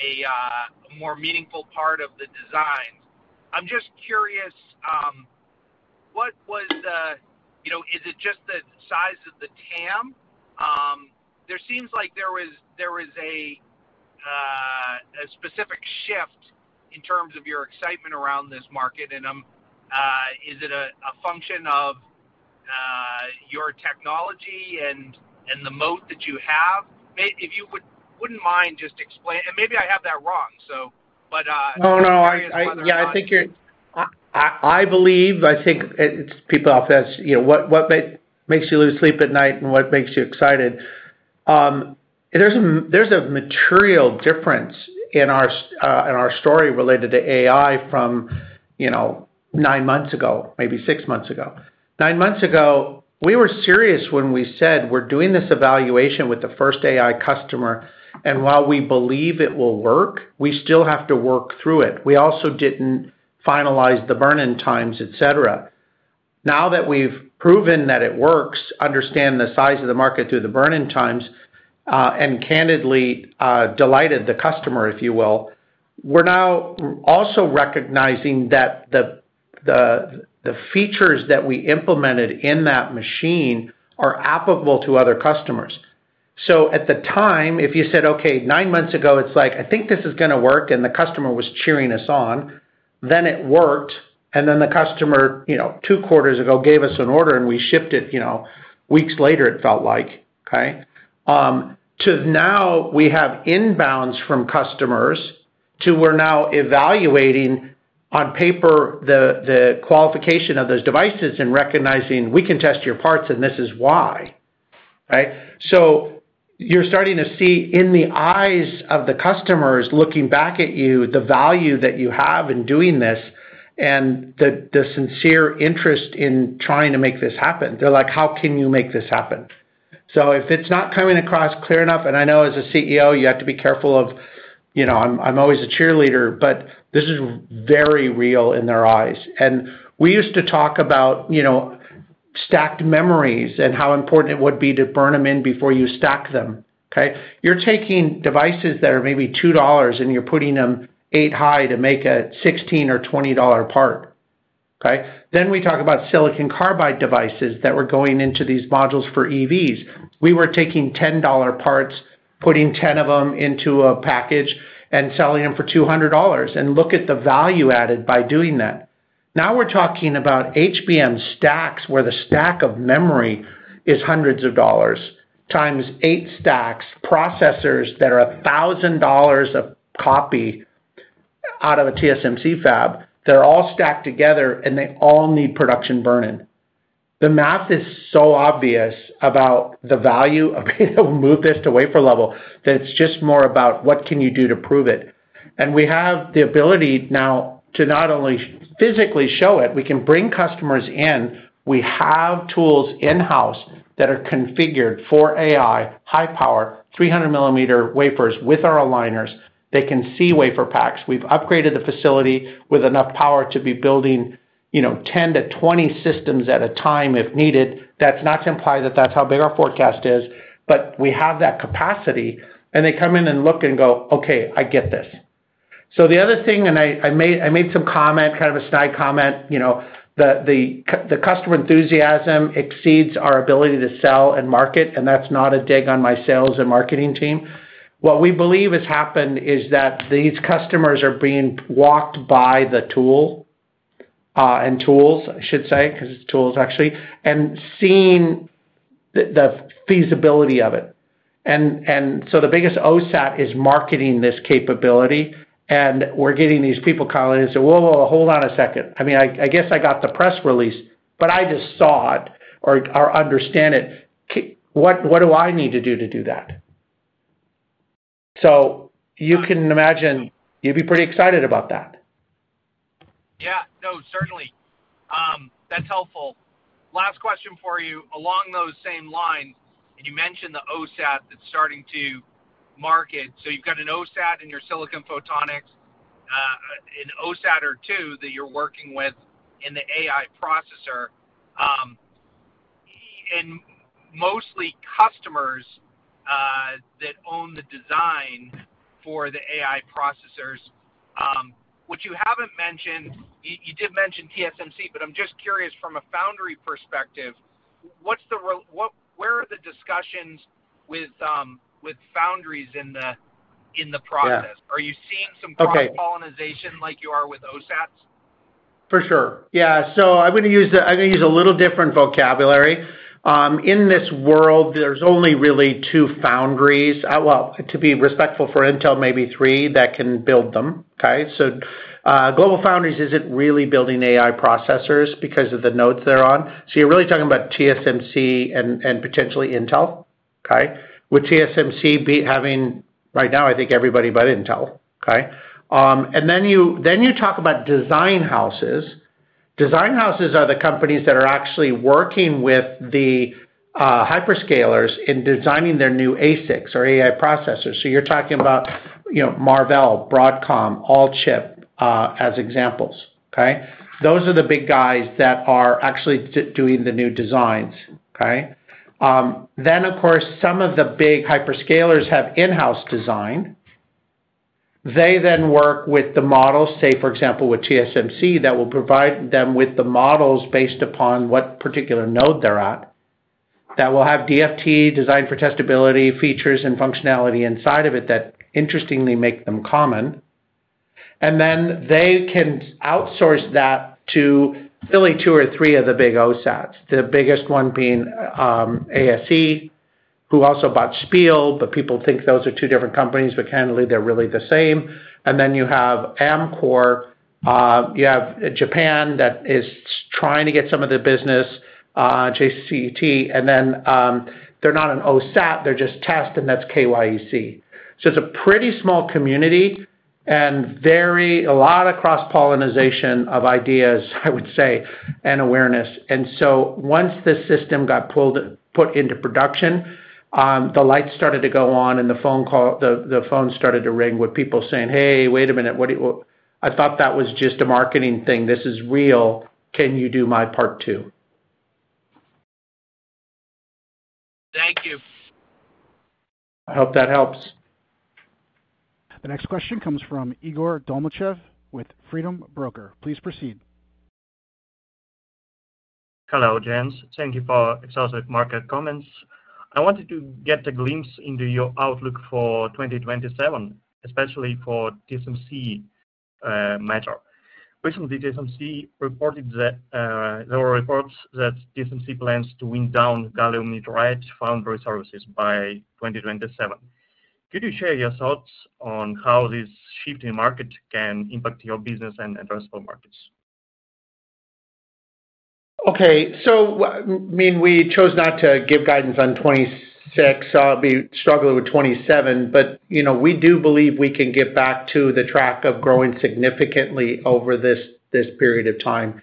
Speaker 6: a more meaningful part of the design. I'm just curious what was you know, is it just the size of the TAM? There seems like there was there was a a specific shift in terms of your excitement around this market, and I'm is it a a function of your technology and and the moat that you have? May if you wouldn't mind just explain and maybe I have that wrong. So but
Speaker 3: No. No. I I I think you're I I believe I think it's people off that's, you know, what what makes you lose sleep at night and what makes you excited. There's material difference in our story related to AI from nine months ago, maybe six months ago. Nine months ago, we were serious when we said we're doing this evaluation with the first AI customer, and while we believe it will work, we still have to work through it. We also didn't finalize the burn in times, etcetera. Now that we've proven that it works, understand the size of the market through the burn in times, and candidly delighted the customer, if you will, we're now also recognizing that the features that we implemented in that machine are applicable to other customers. So at the time, if you said, okay, nine months ago, it's like, I think this is going to work and the customer was cheering us on, then it worked. And then the customer, two quarters ago gave us an order and we shipped it weeks later, it felt like. To now we have inbounds from customers to we're now evaluating on paper the qualification of those devices and recognizing we can test your parts and this is why. So you're starting to see in the eyes of the customers looking back at you the value that you have in doing this and the sincere interest in trying to make this happen. They're like, how can you make this happen? So if it's not coming across clear enough and I know as a CEO, you have to be careful of I'm always a cheerleader, but this is very real in their eyes. And we used to talk about stacked memories and how important it would be to burn them in before you stack them. You're taking devices that are maybe $2 and you're putting them eight high to make a $16 or $20 part. Okay? Then we talk about silicon carbide devices that were going into these modules for EVs. We were taking $10 parts, putting 10 of them into a package and selling them for $200 and look at the value added by doing that. Now we're talking about HBM stacks where the stack of memory is hundreds of dollars times eight stacks, processors that are a thousand dollars of copy out of a TSMC fab. They're all stacked together, and they all need production burn in. The math is so obvious about the value of being able to move this to wafer level, that it's just more about what can you do to prove it. And we have the ability now to not only physically show it, we can bring customers in, we have tools in house that are configured for AI, high power, 300 millimeter wafers with our aligners. They can see wafer packs. We've upgraded the facility with enough power to be building 10 to 20 systems at a time if needed. That's not to imply that that's how big our forecast is, but we have that capacity, and they come in and look and go, okay, I get this. So the other thing, and I made some comment, kind of a snide comment, that the customer enthusiasm exceeds our ability to sell and market, and that's not a dig on my sales and marketing team. What we believe has happened is that these customers are being walked by the tool, and tools I should say, because it's tools actually, and seeing the feasibility of it. And so the biggest OSAT is marketing this capability, and we're getting these people calling in and say, woah, woah, hold on a second. I mean, guess I got the press release, but I just saw it or understand it. What do I need to do to do that? You can imagine you'd be pretty excited about that.
Speaker 6: Yeah. No. Certainly. That's helpful. Last question for you. Along those same lines, you mentioned the OSAT that's starting to market. So you've got an OSAT in your silicon photonics, an OSAT or two that you're working with in the AI processor. And mostly customers that own the design for the AI processors. What you haven't mentioned, you you did mention TSMC, but I'm just curious from a foundry perspective, what's the what where are the discussions with with foundries in the in the process? Are you seeing some cross pollinization like you are with OSATs?
Speaker 4: For sure.
Speaker 3: Yeah. So I'm gonna use I'm gonna use a little different vocabulary. In this world, there's only really two foundries. Well, to be respectful for Intel, maybe three that can build them. So GlobalFoundries isn't really building AI processors because of the nodes they're on. So you're really talking about TSMC and potentially Intel. With TSMC having, right now, I think everybody but Intel. And then you talk about design houses. Design houses are the companies that are actually working with the hyperscalers in designing their new ASICs or AI processors. So you're talking about Marvell, Broadcom, All Chip, as examples. K? Those are the big guys that are actually doing the new designs. K? Then, of course, some of the big hyperscalers have in house design. They then work with the models, say, for example, with TSMC that will provide them with the models based upon what particular node they're at, that will have DFT, design for testability, features and functionality inside of it that interestingly make them common. And then they can outsource that to really two or three of the big OSATs, the biggest one being ASC, who also bought Spiel, but people think those are two different companies, but candidly they're really the same. And then you have Amcor, you have Japan that is trying to get some of their business, JCET, and then they're not an OSAT, they're just test, and that's KYEC. So it's a pretty small community, and very a lot of cross pollinization of ideas, I would say, and awareness. And so once the system got put into production, the lights started to go on and the phone started to ring with people saying, hey. Wait a minute. What do you I thought that was just a marketing thing. This is real. Can you do my part two?
Speaker 6: Thank you.
Speaker 3: I hope that helps.
Speaker 1: The next question comes from Igor Domachev with Freedom Broker. Please proceed.
Speaker 7: Hello, gents. Thank you for Exhaustive Market comments. I wanted to get a glimpse into your outlook for 2027, especially for TSMC matter. Recently, TSMC reported that there were reports that TSMC plans to wind down gallium nitride foundry services by 2027. Could you share your thoughts on how this shift in market can impact your business and addressable markets?
Speaker 3: Okay. So I mean, we chose not to give guidance on '26, so I'll be struggling with '27. But we do believe we can get back to the track of growing significantly over this period of time.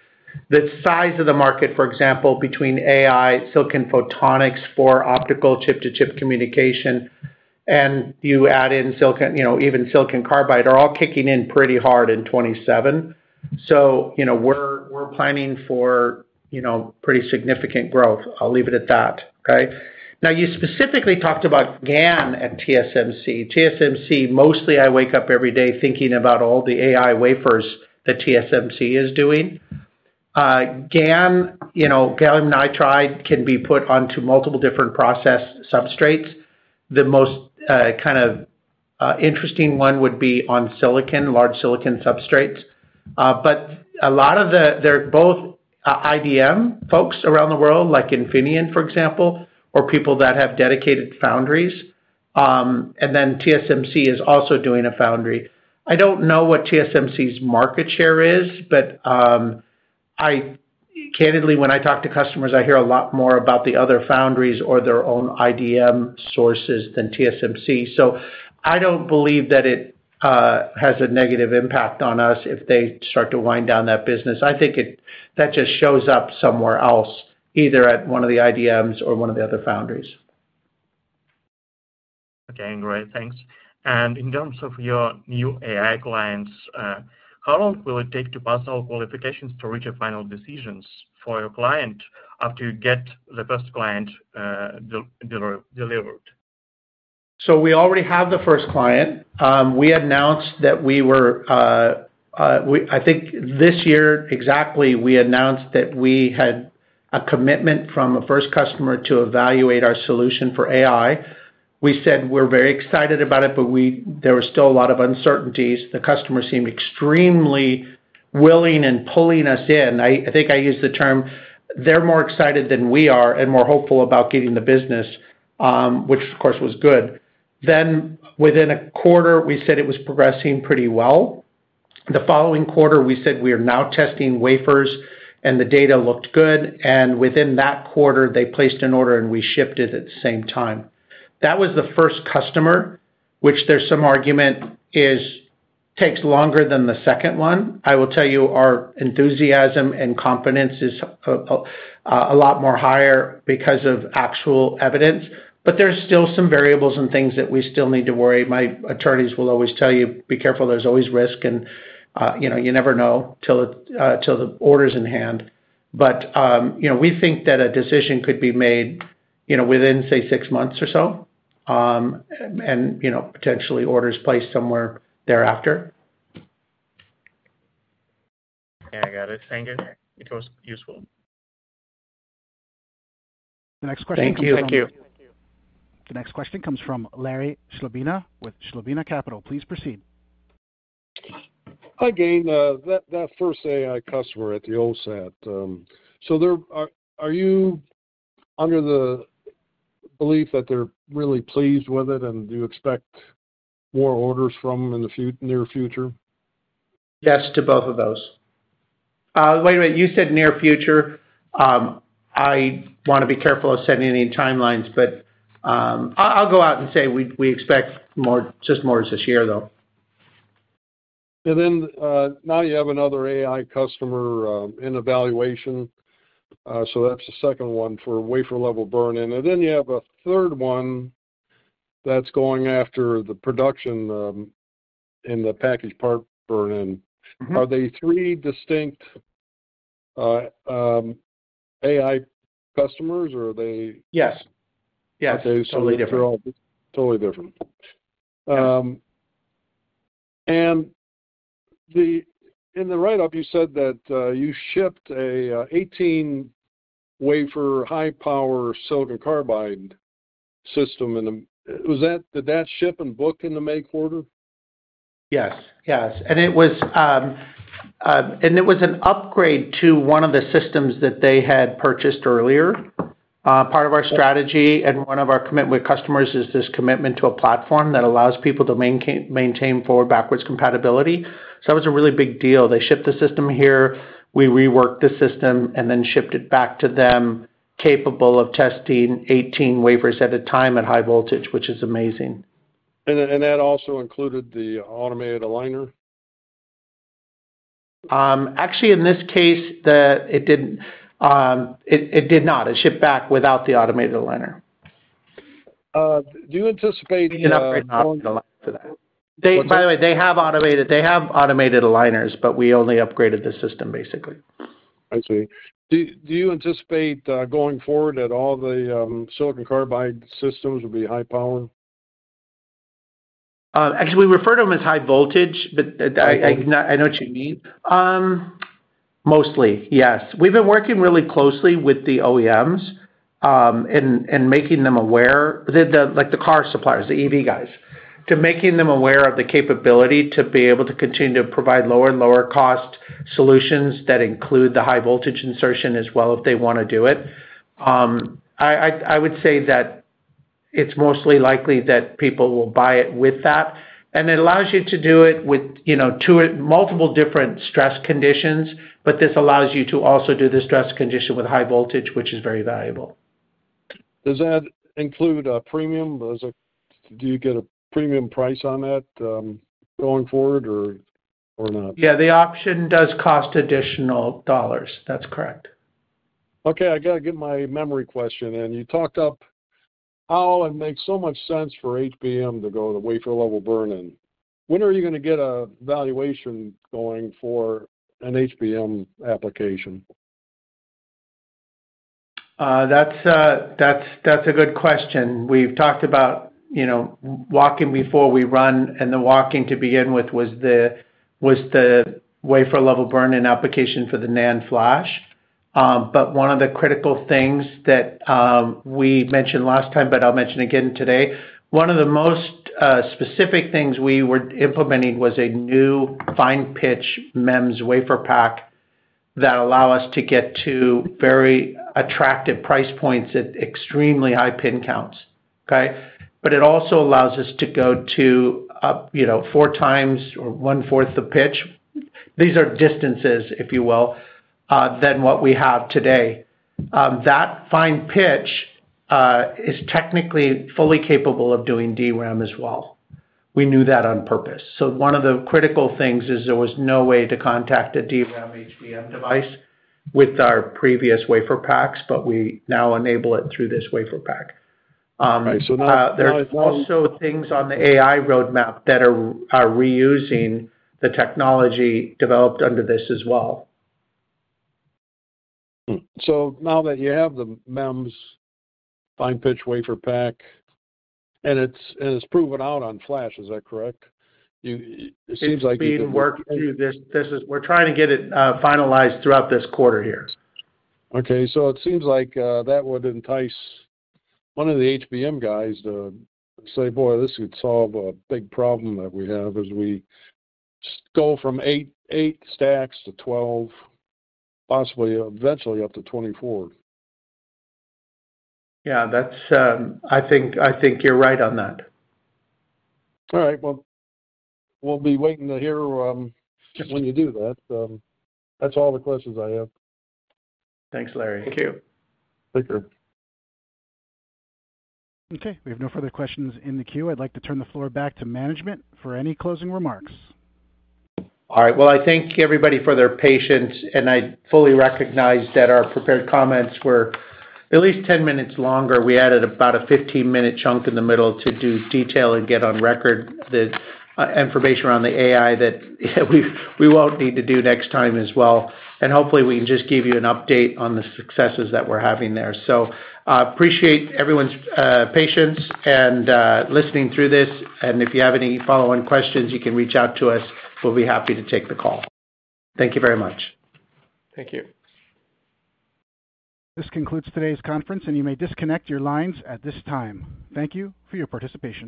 Speaker 3: The size of the market, for example, between AI, silicon photonics for optical chip to chip communication, and you add in silicon, you know, even silicon carbide are all kicking in pretty hard in '27. So, you know, we're we're planning for, you know, pretty significant growth. I'll leave it at that. Okay? Now you specifically talked about GaN and TSMC. TSMC mostly I wake up every day thinking about all the AI wafers that TSMC is doing. GaN, gallium nitride can be put onto multiple different process substrates. The most kind of interesting one would be on silicon, large silicon substrates. But a lot of the they're both IBM folks around the world, like Infineon, for example, or people that have dedicated foundries. And then TSMC is also doing a foundry. I don't know what TSMC's market share is, but candidly, when I talk to customers, I hear a lot more about the other foundries or their own IDM sources than TSMC. So I don't believe that it has a negative impact on us if they start to wind down that business. I think that just shows up somewhere else, either at one of the IDMs or one of the other foundries.
Speaker 7: Okay, great. Thanks. And in terms of your new AI clients, how long will it take to pass all qualifications to reach your final decisions for your client after you get the first client delivered?
Speaker 3: So we already have the first client. We announced that we were I think this year exactly, we announced that we had a commitment from a first customer to evaluate our solution for AI. We said we're very excited about it, but there were still a lot of uncertainties. The customer seemed extremely willing and pulling us in. I think I used the term they're more excited than we are and more hopeful about getting the business, which of course was good. Then within a quarter, we said it was progressing pretty well. The following quarter, we said we are now testing wafers, and the data looked good. And within that quarter, they placed an order and we shipped it at the same time. That was the first customer, which there's some argument takes longer than the second one. I will tell you our enthusiasm and confidence is a lot more higher because of actual evidence. But there's still some variables and things that we still need to worry. My attorneys will always tell you, be careful. There's always risk, and, you know, you never know till it till the order's in hand. But, you know, we think that a decision could be made, you know, within, say, six months or so, and potentially orders placed somewhere thereafter.
Speaker 7: Yeah. I got it. Thank you. It was useful.
Speaker 3: Thank you.
Speaker 1: The next question comes from Larry Schlebina with Schlebina Capital. Please proceed.
Speaker 8: Hi, Gaine. That first AI customer at the OSAT, so are you under the belief that they're really pleased with it? And do you expect more orders from them in the near future?
Speaker 3: Yes to both of those. Wait a minute. You said near future. I want to be careful of setting any timelines. But I'll go out and say we expect just more this year, though.
Speaker 8: And then now you have another AI customer in evaluation. So that's the second one for wafer level burn in. And then you have a third one that's going after the production in the package part burn in. Are they three distinct AI customers or are they
Speaker 3: Yes. Different.
Speaker 8: Totally different. And in the write up, you said that you shipped a 18 wafer high power silicon carbide system. Did that ship and book in the May?
Speaker 3: Yes. Yes. And it was, and it was an upgrade to one of the systems that they had purchased earlier. Part of our strategy and one of our commitment with customers is this commitment to a platform that allows people to maintain forward backwards compatibility. So it was a really big deal. They shipped the system here. We reworked the system and then shipped it back to them capable of testing 18 wafers at a time at high voltage, which is amazing.
Speaker 8: And and that also included the automated aligner?
Speaker 3: Actually, in this case, the it didn't it it did not. It shipped back without the automated aligner.
Speaker 8: Do you anticipate We can upgrade
Speaker 3: not the for that. They by the way, they have automated they have automated aligners, but we only upgraded the system, basically.
Speaker 8: I see. Do do you anticipate, going forward that all the, silicon carbide systems will be high powered?
Speaker 3: Actually, we refer to them as high voltage, but I know what you mean. Mostly, yes. We've been working really closely with the OEMs making them aware, like the car suppliers, the EV guys, to making them aware of the capability to be able to continue to provide lower and lower cost solutions that include the high voltage insertion as well if they want to do it. I would say that it's mostly likely that people will buy it with that. And it allows you to do it with multiple different stress conditions, but this allows you to also do the stress condition with high voltage, which is very valuable.
Speaker 8: Does that include a premium? Do you get a premium price on that going forward or not?
Speaker 3: Yeah. The option does cost additional dollars. That's correct.
Speaker 8: Okay. I got to get my memory question in. You talked up how it makes so much sense for HBM to go to wafer level burn in. When are you going to get a valuation going for an HBM application?
Speaker 3: That's a good question. We've talked about walking before we run, and the walking to begin with was the wafer level burn in application for the NAND flash. But one of the critical things that we mentioned last time, but I'll mention again today, one of the most specific things we were implementing was a new fine pitch MEMS WaferPak that allow us to get to very attractive price points at extremely high pin counts. Okay? But it also allows us to go to, you know, four times or one fourth the pitch. These are distances, if you will, than what we have today. That fine pitch is technically fully capable of doing DRAM as well. We knew that on purpose. So one of the critical things is there was no way to contact a DRAM HVM device with our previous WaferPaks, but we now enable it through this WaferPak.
Speaker 8: Right. So now
Speaker 3: there's also things on the AI roadmap that are are reusing the technology developed under this as well.
Speaker 8: So now that you have the MEMS fine pitch wafer pack, and it's proven out on flashes, is that correct?
Speaker 3: It like We're trying to get it finalized throughout this quarter here.
Speaker 8: Okay. So it seems like that would entice one of the HBM guys to say, boy, this could solve a big problem that we have as we go from eight stacks to 12, possibly eventually up to 24.
Speaker 3: Yeah, I think you're right on that.
Speaker 8: All right. Well, we'll be waiting to hear when you do that. That's all the questions I have.
Speaker 3: Thanks, Larry.
Speaker 4: Thank you.
Speaker 8: Thank you.
Speaker 1: Okay. We have no further questions in the queue. I'd like to turn the floor back to management for any closing remarks.
Speaker 3: All right. Well, I thank everybody for their patience. And I fully recognize that our prepared comments were at least ten minutes longer. We added about a fifteen minute chunk in the middle to do detail and get on record the information around the AI that we won't need to do next time as well. And hopefully we can just give you an update on the successes that we're having there. So appreciate everyone's patience and listening through this. And if you have any follow on questions, can reach out to us. We'll be happy to take the call. Thank you very much.
Speaker 4: Thank you.
Speaker 1: This concludes today's conference, and you may disconnect your lines at this time. Thank you for your participation.